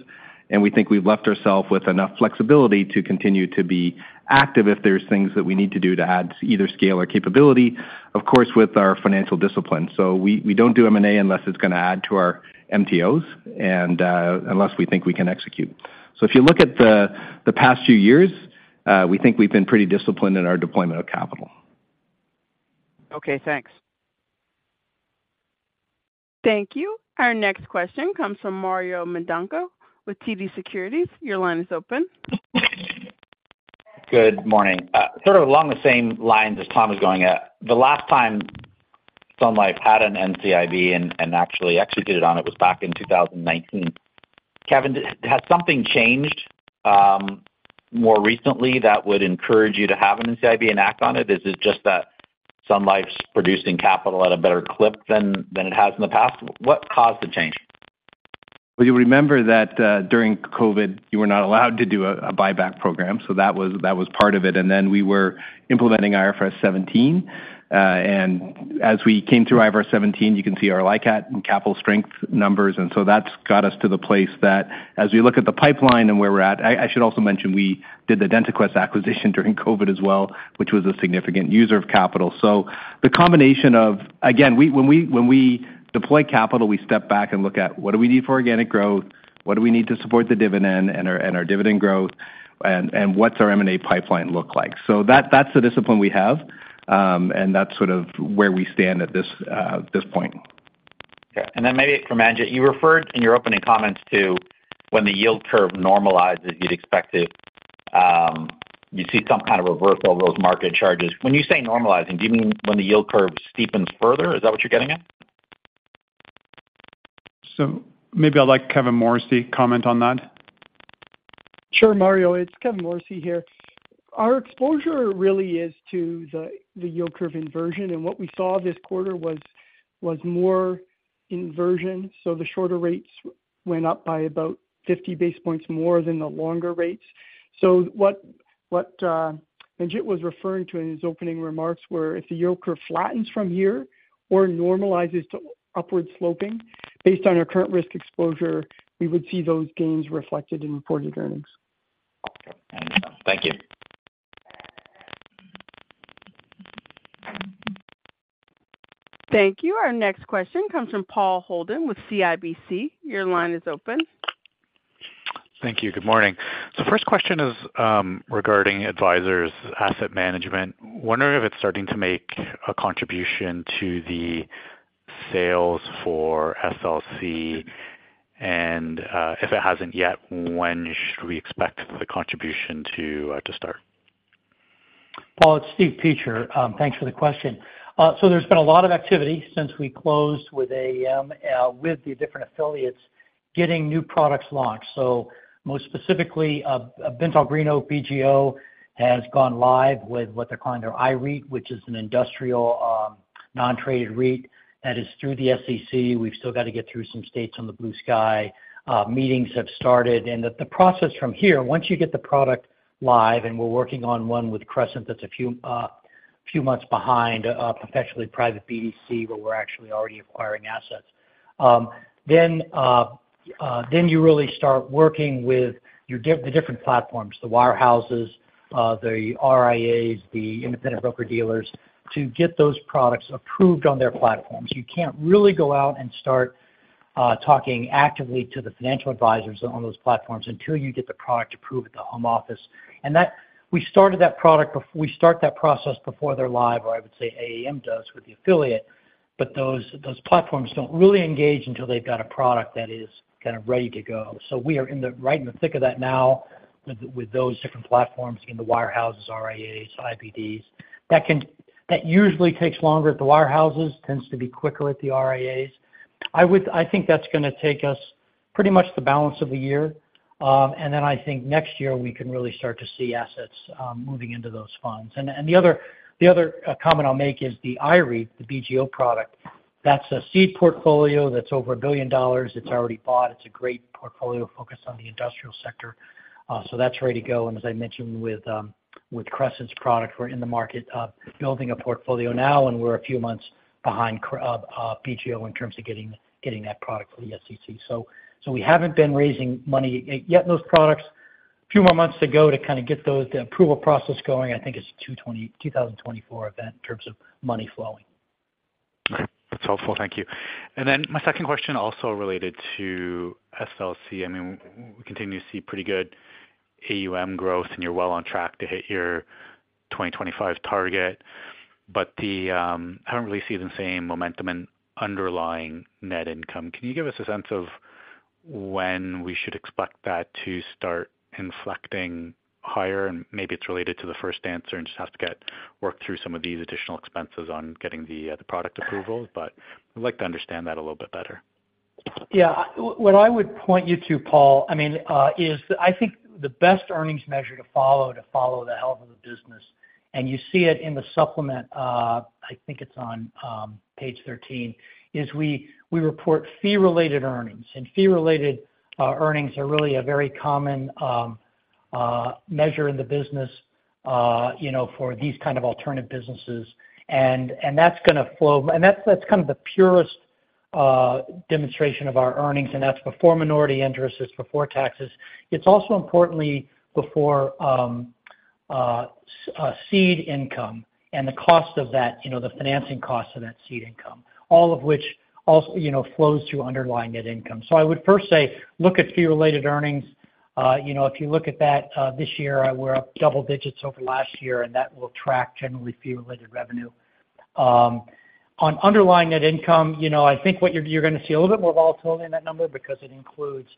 and we think we've left ourselves with enough flexibility to continue to be active if there's things that we need to do to add either scale or capability, of course, with our financial discipline. We, we don't do M&A unless it's gonna add to our MTOs and, unless we think we can execute. If you look at the, the past few years, we think we've been pretty disciplined in our deployment of capital. Okay, thanks. Thank you. Our next question comes from Mario Mendonca with TD Securities. Your line is open. Good morning. sort of along the same lines as Tom was going at, the last time Sun Life had an NCIB and, and actually executed on it was back in 2019. Kevin, has something changed, more recently that would encourage you to have an NCIB and act on it? Is it just that Sun Life's producing capital at a better clip than, than it has in the past? What caused the change? Well, you remember that, during COVID, you were not allowed to do a, a buyback program, so that was, that was part of it. Then we were implementing IFRS 17. As we came through IFRS 17, you can see our LICAT and capital strength numbers, that's got us to the place that as we look at the pipeline and where we're at. I should also mention, we did the DentaQuest acquisition during COVID as well, which was a significant user of capital. The combination of, again, we, when we deploy capital, we step back and look at what do we need for organic growth, what do we need to support the dividend and our dividend growth, and what's our M&A pipeline look like? That, that's the discipline we have, and that's sort of where we stand at this, this point. Okay. Maybe for Manjit, you referred in your opening comments to when the yield curve normalizes, you'd expect it, you see some kind of reversal of those market charges. When you say normalizing, do you mean when the yield curve steepens further? Is that what you're getting at? Maybe I'd like Kevin Morrissey comment on that. Sure, Mario, it's Kevin Morrissey here. Our exposure really is to the yield curve inversion, and what we saw this quarter was more inversion. The shorter rates went up by about 50 base points more than the longer rates. What Manjit was referring to in his opening remarks were, if the yield curve flattens from here or normalizes to upward sloping, based on our current risk exposure, we would see those gains reflected in reported earnings. Okay. Thank you. Thank you. Our next question comes from Paul Holden with CIBC. Your line is open. Thank you. Good morning. First question is, regarding Advisors Asset Management. Wondering if it's starting to make a contribution to the sales for SLC, and if it hasn't yet, when should we expect the contribution to start? Paul, it's Steve Peacher. Thanks for the question. There's been a lot of activity since we closed with AAM, with the different affiliates getting new products launched. Most specifically, BentallGreenOak, BGO, has gone live with what they're calling their I-REIT, which is an industrial, non-traded REIT that is through the SEC. We've still got to get through some states on the blue sky. Meetings have started, and the process from here, once you get the product live, and we're working on one with Crescent that's a few months behind, professionally private BDC, where we're actually already acquiring assets. Then you really start working with the different platforms, the wirehouses, the RIAs, the independent broker-dealers, to get those products approved on their platforms. You can't really go out and start talking actively to the financial advisors on those platforms until you get the product approved at the home office. We started that product we start that process before they're live, or I would say AAM does with the affiliate, but those platforms don't really engage until they've got a product that is kind of ready to go. We are in the right in the thick of that now with those different platforms in the wirehouses, RIAs, IBDs. That usually takes longer at the wirehouses, tends to be quicker at the RIAs. I would, I think that's gonna take us pretty much the balance of the year. Then I think next year we can really start to see assets moving into those funds. The other, the other comment I'll make is the IREIT, the BGO product. That's a seed portfolio that's over $1 billion. It's already bought. It's a great portfolio focused on the industrial sector, so that's ready to go. As I mentioned, with Crescent's product, we're in the market, building a portfolio now, and we're a few months behind BGO in terms of getting that product for the SEC. We haven't been raising money yet in those products. A few more months to go to kind of get those, the approval process going. I think it's a 2024 event in terms of money flowing. That's helpful. Thank you. My second question, also related to SLC. I mean, we continue to see pretty good AUM growth, and you're well on track to hit your 2025 target. The, I don't really see the same momentum in underlying net income. Can you give us a sense of when we should expect that to start inflecting higher, and maybe it's related to the first answer and just have to get, work through some of these additional expenses on getting the product approval, but I'd like to understand that a little bit better. Yeah. What I would point you to, Paul, I mean, is I think the best earnings measure to follow, to follow the health of the business, and you see it in the supplement, I think it's on page 13, we report fee-related earnings. Fee-related earnings are really a very common measure in the business, you know, for these kind of alternative businesses. That's gonna flow, and that's kind of the purest demonstration of our earnings, and that's before minority interest, it's before taxes. It's also importantly before seed income and the cost of that, you know, the financing cost of that seed income, all of which also, you know, flows through underlying net income. I would first say, look at fee-related earnings. You know, if you look at that, this year, we're up double digits over last year, and that will track generally fee-related revenue. On underlying net income, you know, I think what you're, you're gonna see a little bit more volatility in that number because it includes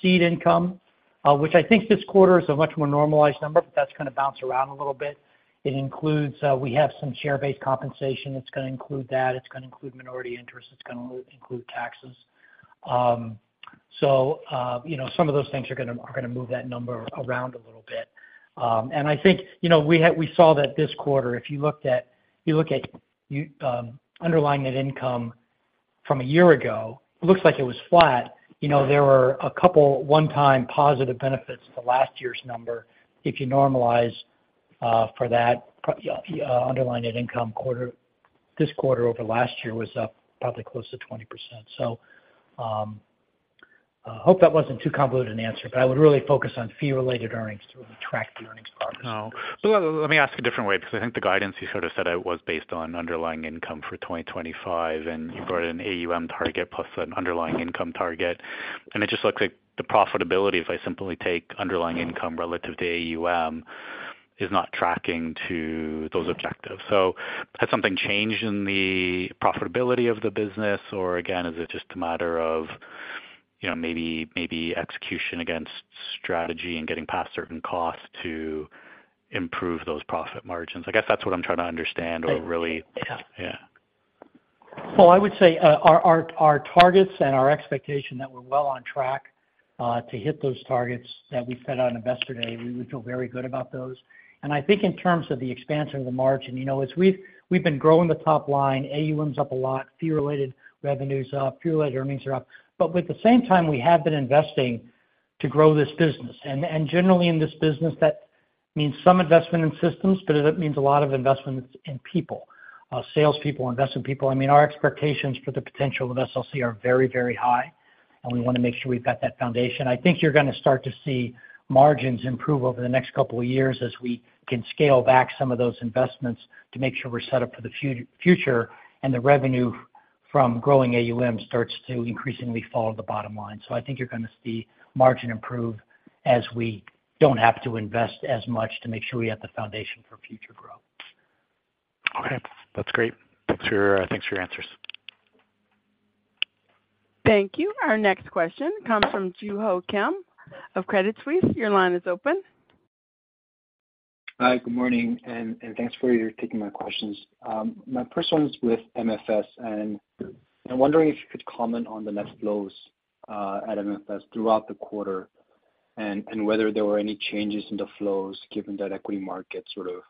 seed income, which I think this quarter is a much more normalized number, but that's gonna bounce around a little bit. It includes, we have some share-based compensation. It's gonna include that, it's gonna include minority interest, it's gonna include taxes. You know, some of those things are gonna, are gonna move that number around a little bit. I think, you know, we saw that this quarter, if you looked at, you look at underlying net income from a year ago, looks like it was flat. You know, there were a couple one-time positive benefits to last year's number. If you normalize, for that, underlying net income quarter, this quarter over last year was up, probably close to 20%. I hope that wasn't too convoluted an answer, but I would really focus on fee-related earnings to really track the earnings progress. No. Well, let me ask a different way, because I think the guidance you sort of said it was based on underlying income for 2025, and you've got an AUM target plus an underlying income target. It just looks like the profitability, if I simply take underlying income relative to AUM, is not tracking to those objectives. Has something changed in the profitability of the business? Again, is it just a matter of, you know, maybe, maybe execution against strategy and getting past certain costs to improve those profit margins? I guess that's what I'm trying to understand or really- Yeah. Yeah. Well, I would say, our targets and our expectation that we're well on track to hit those targets that we set on Investor Day, we feel very good about those. I think in terms of the expansion of the margin, you know, as we've, we've been growing the top line, AUM's up a lot, fee-related revenue is up, fee-related earnings are up. At the same time, we have been investing to grow this business. Generally in this business, that means some investment in systems, but it means a lot of investments in people, salespeople, investment people. I mean, our expectations for the potential of SLC are very, very high, and we want to make sure we've got that foundation. I think you're gonna start to see margins improve over the next couple of years as we can scale back some of those investments to make sure we're set up for the future, and the revenue from growing AUM starts to increasingly fall to the bottom line. I think you're gonna see margin improve as we don't have to invest as much to make sure we have the foundation for future growth. Okay, that's great. Thanks for, thanks for your answers. Thank you. Our next question comes from Joo Ho Kim of Credit Suisse. Your line is open. Hi, good morning, and, and thanks for taking my questions. My first one is with MFS, and I'm wondering if you could comment on the net flows at MFS throughout the quarter, and, and whether there were any changes in the flows given that equity market sort of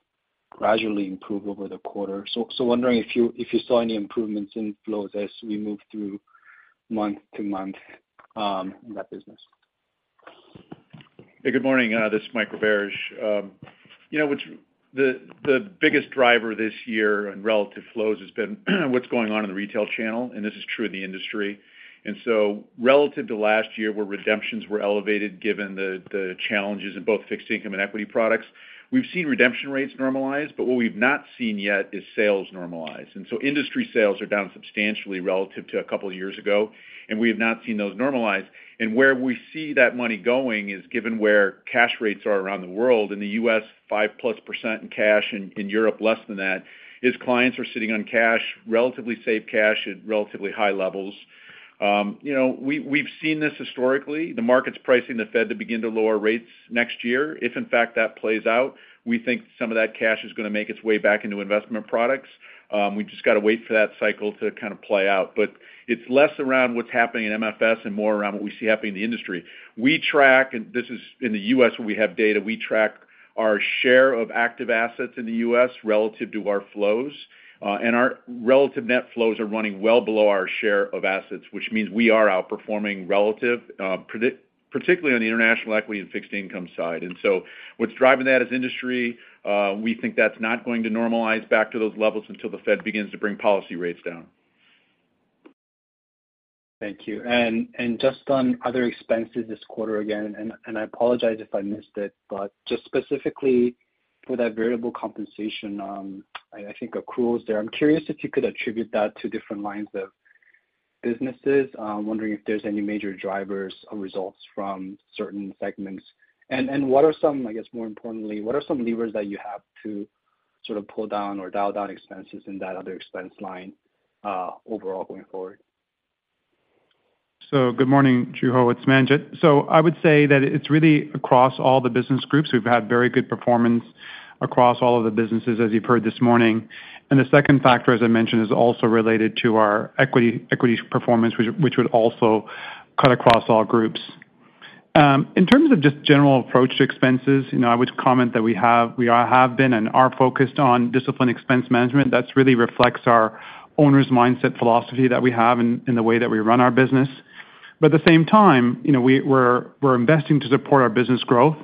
gradually improved over the quarter. Wondering if you, if you saw any improvements in flows as we move through month to month in that business? Hey, good morning, this is Mike Roberge. You know, what's the biggest driver this year on relative flows has been what's going on in the retail channel, and this is true in the industry. Relative to last year, where redemptions were elevated, given the challenges in both fixed income and equity products, we've seen redemption rates normalize, but what we've not seen yet is sales normalize. Industry sales are down substantially relative to a couple of years ago, and we have not seen those normalize. Where we see that money going is given where cash rates are around the world, in the U.S., 5%+ in cash, in Europe, less than that, is clients are sitting on cash, relatively safe cash at relatively high levels. You know, we've seen this historically. The market's pricing the Fed to begin to lower rates next year. If in fact, that plays out, we think some of that cash is gonna make its way back into investment products. We just got to wait for that cycle to kind of play out. But it's less around what's happening in MFS and more around what we see happening in the industry. We track, and this is in the U.S., where we have data, we track our share of active assets in the U.S. relative to our flows. And our relative net flows are running well below our share of assets, which means we are outperforming relative, particularly on the international equity and fixed income side. What's driving that is industry. We think that's not going to normalize back to those levels until the Fed begins to bring policy rates down. Thank you. And just on other expenses this quarter, again, and I apologize if I missed it, but just specifically for that variable compensation, I, I think accruals there. I'm curious if you could attribute that to different lines of businesses. I'm wondering if there's any major drivers or results from certain segments. And what are some, I guess, more importantly, what are some levers that you have to sort of pull down or dial down expenses in that other expense line, overall going forward? Good morning, Joo Ho. It's Manjit. I would say that it's really across all the business groups. We've had very good performance across all of the businesses, as you've heard this morning. The second factor, as I mentioned, is also related to our equity, equity performance, which would also cut across all groups. In terms of just general approach to expenses, you know, I would comment that we have been and are focused on disciplined expense management. That really reflects our owner's mindset philosophy that we have in the way that we run our business. At the same time, you know, we're investing to support our business growth,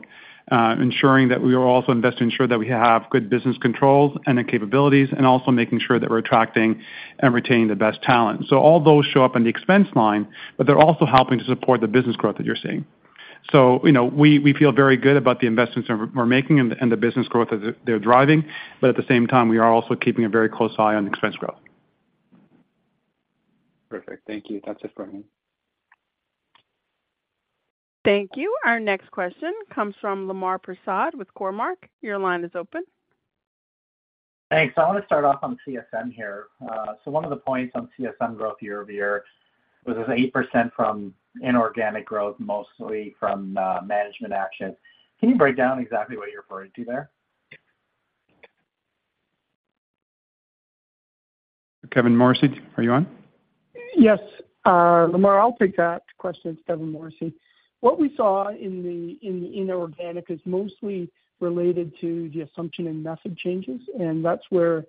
ensuring that we are also investing to ensure that we have good business controls and the capabilities, and also making sure that we're attracting and retaining the best talent. All those show up on the expense line, but they're also helping to support the business growth that you're seeing. You know, we, we feel very good about the investments that we're, we're making and the, and the business growth that they're driving, but at the same time, we are also keeping a very close eye on expense growth. Perfect. Thank you. That's it for me. Thank you. Our next question comes from Lemar Persaud with Cormark. Your line is open. Thanks. I want to start off on CSM here. One of the points on CSM growth year-over-year was this 8% from inorganic growth, mostly from management action. Can you break down exactly what you're referring to there? Kevin Morrissey, are you on? Yes, Lemar, I'll take that question. It's Kevin Morrissey. What we saw in the, in the inorganic is mostly related to the assumption in method changes, that's where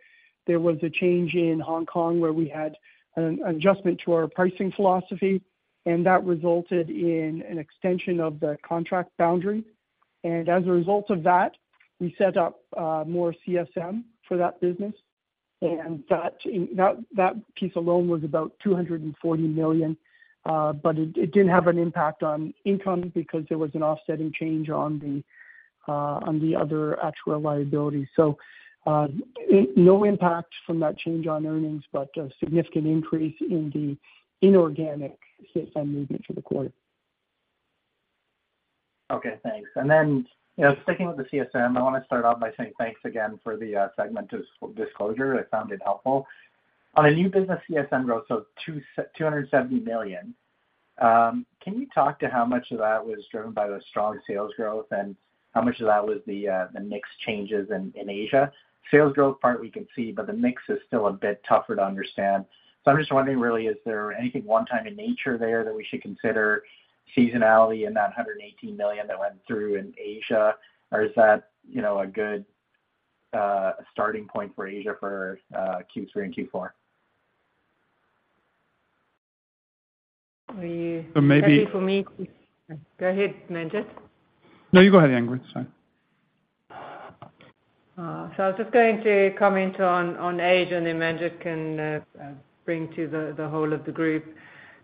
there was a change in Hong Kong, where we had an adjustment to our pricing philosophy, and that resulted in an extension of the contract boundary. As a result of that, we set up more CSM for that business. That, that, that piece alone was about 240 million. But it, it didn't have an impact on income because there was an offsetting change on the, on the other actual liability. It no impact from that change on earnings, but a significant increase in the inorganic CSM movement for the quarter. Okay, thanks. Then, you know, sticking with the CSM, I want to start off by saying thanks again for the segment disclosure. I found it helpful. On the new business CSM growth, 270 million. Can you talk to how much of that was driven by the strong sales growth, and how much of that was the mix changes in Asia? Sales growth part we can see, the mix is still a bit tougher to understand. I'm just wondering, really, is there anything one-time in nature there that we should consider seasonality in that 118 million that went through in Asia? Is that, you know, a good starting point for Asia for Q3 and Q4? Are you- So maybe- -happy for me to... Go ahead, Manjit. No, you go ahead, Ingrid. Sorry. I was just going to comment on, on Asia. Manjit can bring to the whole of the group.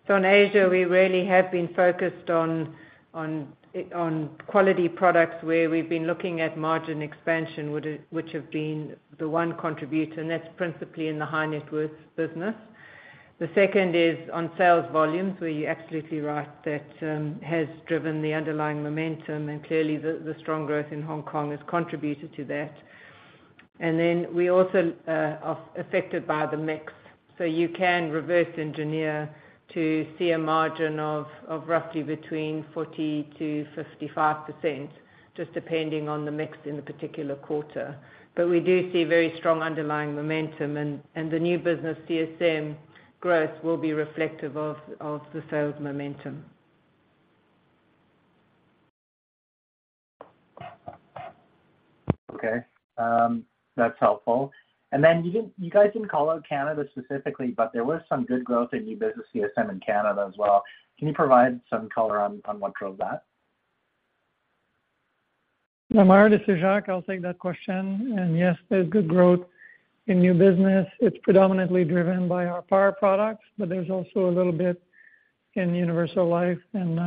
In Asia, we really have been focused on, on, on quality products, where we've been looking at margin expansion, which have been the one contributor, and that's principally in the high net worth business. The second is on sales volumes, where you're absolutely right, that has driven the underlying momentum. Clearly the strong growth in Hong Kong has contributed to that. We also are affected by the mix. You can reverse engineer to see a margin of, of roughly between 40%-55%, just depending on the mix in the particular quarter. We do see very strong underlying momentum, and the new business CSM growth will be reflective of the sales momentum. Okay. That's helpful. Then you guys didn't call out Canada specifically, there was some good growth in new business CSM in Canada as well. Can you provide some color on what drove that? Lamar, this is Jacques. I'll take that question. Yes, there's good growth in new business. It's predominantly driven by our Par products, but there's also a little bit in universal life and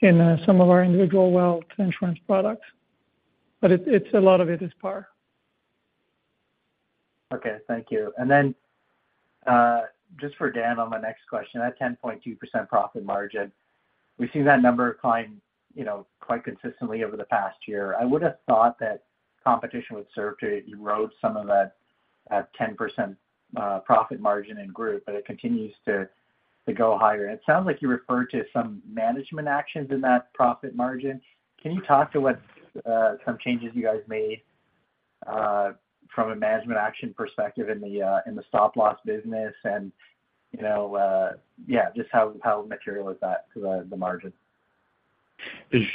in some of our individual wealth insurance products. But it, it's a lot of it is Par. Okay, thank you. Then, just for Dan on my next question, that 10.2% profit margin, we've seen that number climb, you know, quite consistently over the past year. I would have thought that competition would serve to erode some of that, 10% profit margin in group, but it continues to, to go higher. It sounds like you referred to some management actions in that profit margin. Can you talk to what some changes you guys made from a management action perspective in the stop-loss business? You know, yeah, just how, how material is that to the, the margin?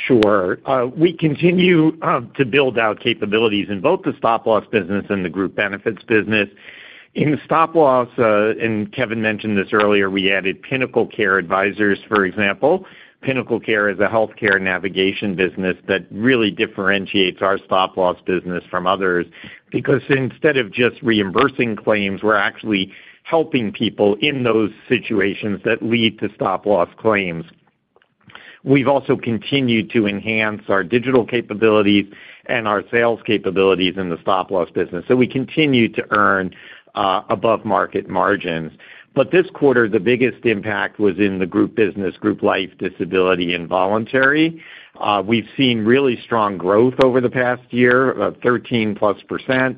Sure. We continue to build out capabilities in both the stop-loss business and the group benefits business. In stop-loss, Kevin mentioned this earlier, we added PinnacleCare Advisors, for example. PinnacleCare is a healthcare navigation business that really differentiates our stop-loss business from others. Because instead of just reimbursing claims, we're actually helping people in those situations that lead to stop-loss claims. We've also continued to enhance our digital capabilities and our sales capabilities in the stop-loss business. We continue to earn above-market margins. This quarter, the biggest impact was in the group business, group life, disability, and voluntary. We've seen really strong growth over the past year, of 13+%,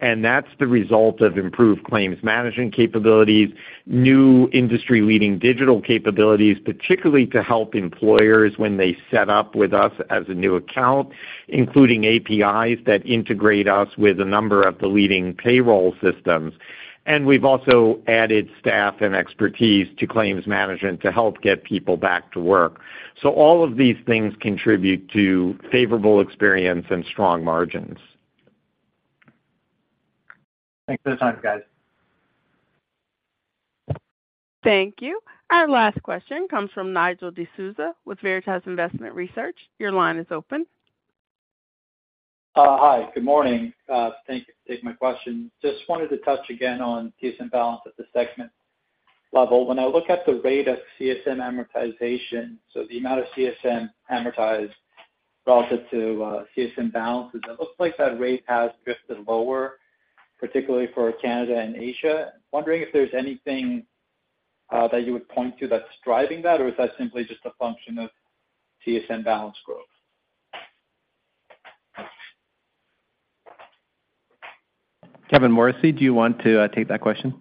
that's the result of improved claims management capabilities, new industry-leading digital capabilities, particularly to help employers when they set up with us as a new account, including APIs that integrate us with a number of the leading payroll systems. We've also added staff and expertise to claims management to help get people back to work. All of these things contribute to favorable experience and strong margins. Thanks for the time, guys. Thank you. Our last question comes from Nigel D'Souza with Veritas Investment Research. Your line is open. Hi, good morning. Thank you for taking my question. Just wanted to touch again on CSM balance at the segment level. When I look at the rate of CSM amortization, so the amount of CSM amortized.relative to CSM balances, it looks like that rate has drifted lower, particularly for Canada and Asia. Wondering if there's anything that you would point to that's driving that, or is that simply just a function of CSM balance growth? Kevin Morrissey, do you want to take that question?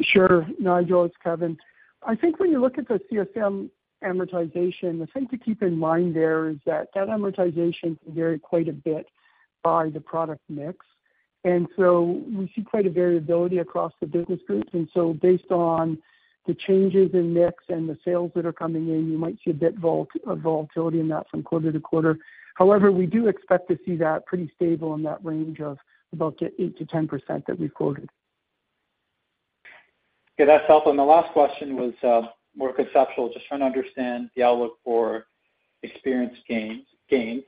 Sure, Nigel, it's Kevin. I think when you look at the CSM amortization, the thing to keep in mind there is that that amortization can vary quite a bit by the product mix, and so we see quite a variability across the business groups. Based on the changes in mix and the sales that are coming in, you might see a bit of volatility in that from quarter to quarter. However, we do expect to see that pretty stable in that range of about 8%-10% that we've quoted. Okay, that's helpful. The last question was, more conceptual. Just trying to understand the outlook for experience gains, gains.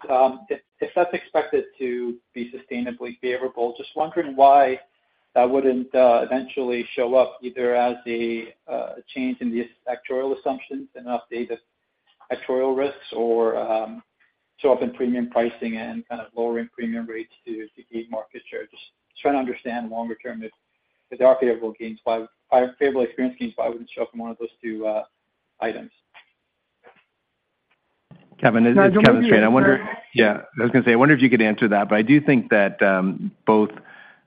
If, if that's expected to be sustainably favorable, just wondering why that wouldn't eventually show up either as a change in the actuarial assumptions and an update of actuarial risks or, show up in premium pricing and kind of lowering premium rates to, to gain market share? Just trying to understand longer term, if, if there are favorable gains, why -- favorable experience gains, why would show up in one of those two, items. Kevin, this is Kevin Strain. Yeah, I was gonna say, I wonder if you could answer that, but I do think that, both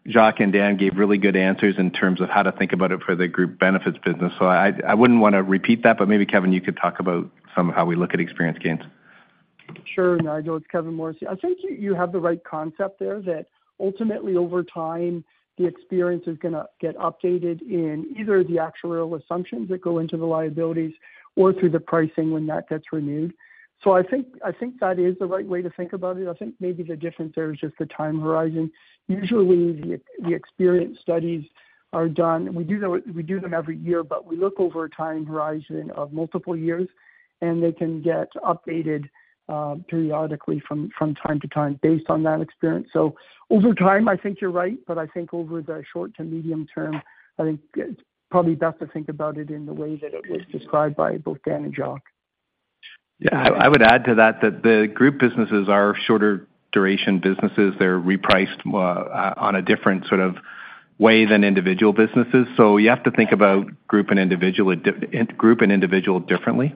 Jacques and Dan gave really good answers in terms of how to think about it for the group benefits business. I, I wouldn't want to repeat that, but maybe Kevin, you could talk about some of how we look at experience gains. Sure, Nigel, it's Kevin Morrissey. I think you, you have the right concept there, that ultimately, over time, the experience is going to get updated in either the actuarial assumptions that go into the liabilities or through the pricing when that gets renewed. I think, I think that is the right way to think about it. I think maybe the difference there is just the time horizon. Usually, the, the experience studies are done. We do them, we do them every year, but we look over a time horizon of multiple years, and they can get updated periodically from, from time to time based on that experience. Over time, I think you're right, but I think over the short to medium term, I think it's probably best to think about it in the way that it was described by both Dan and Jacques. Yeah, I, I would add to that, that the group businesses are shorter duration businesses. They're repriced on a different sort of way than individual businesses. You have to think about group and individual, group and individual differently.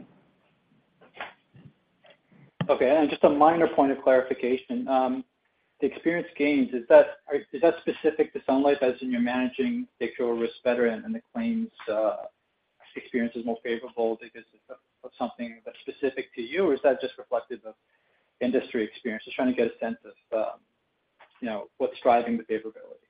Okay, just a minor point of clarification. The experience gains, is that, are, is that specific to Sun Life as in you're managing the actual risk better and the claims experience is more favorable because of, of something that's specific to you, or is that just reflective of industry experience? Just trying to get a sense of, you know, what's driving the favorability.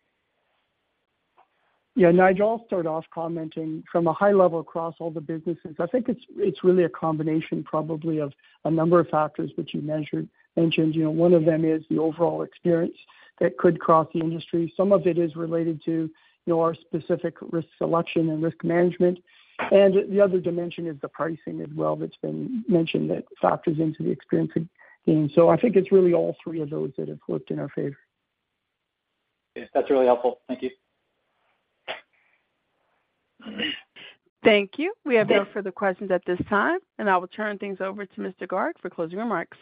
Yeah, Nigel, I'll start off commenting. From a high level across all the businesses, I think it's really a combination probably of a number of factors which you measured, mentioned. You know, one of them is the overall experience that could cross the industry. Some of it is related to your specific risk selection and risk management, and the other dimension is the pricing as well, that's been mentioned, that factors into the experience gain. I think it's really all three of those that have worked in our favor. That's really helpful. Thank you. Thank you. We have no further questions at this time. I will turn things over to Mr. Garg for closing remarks.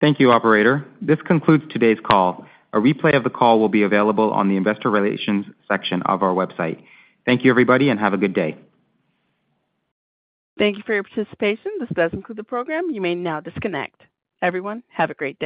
Thank you, operator. This concludes today's call. A replay of the call will be available on the investor relations section of our website. Thank you, everybody, and have a good day. Thank you for your participation. This does conclude the program. You may now disconnect. Everyone, have a great day.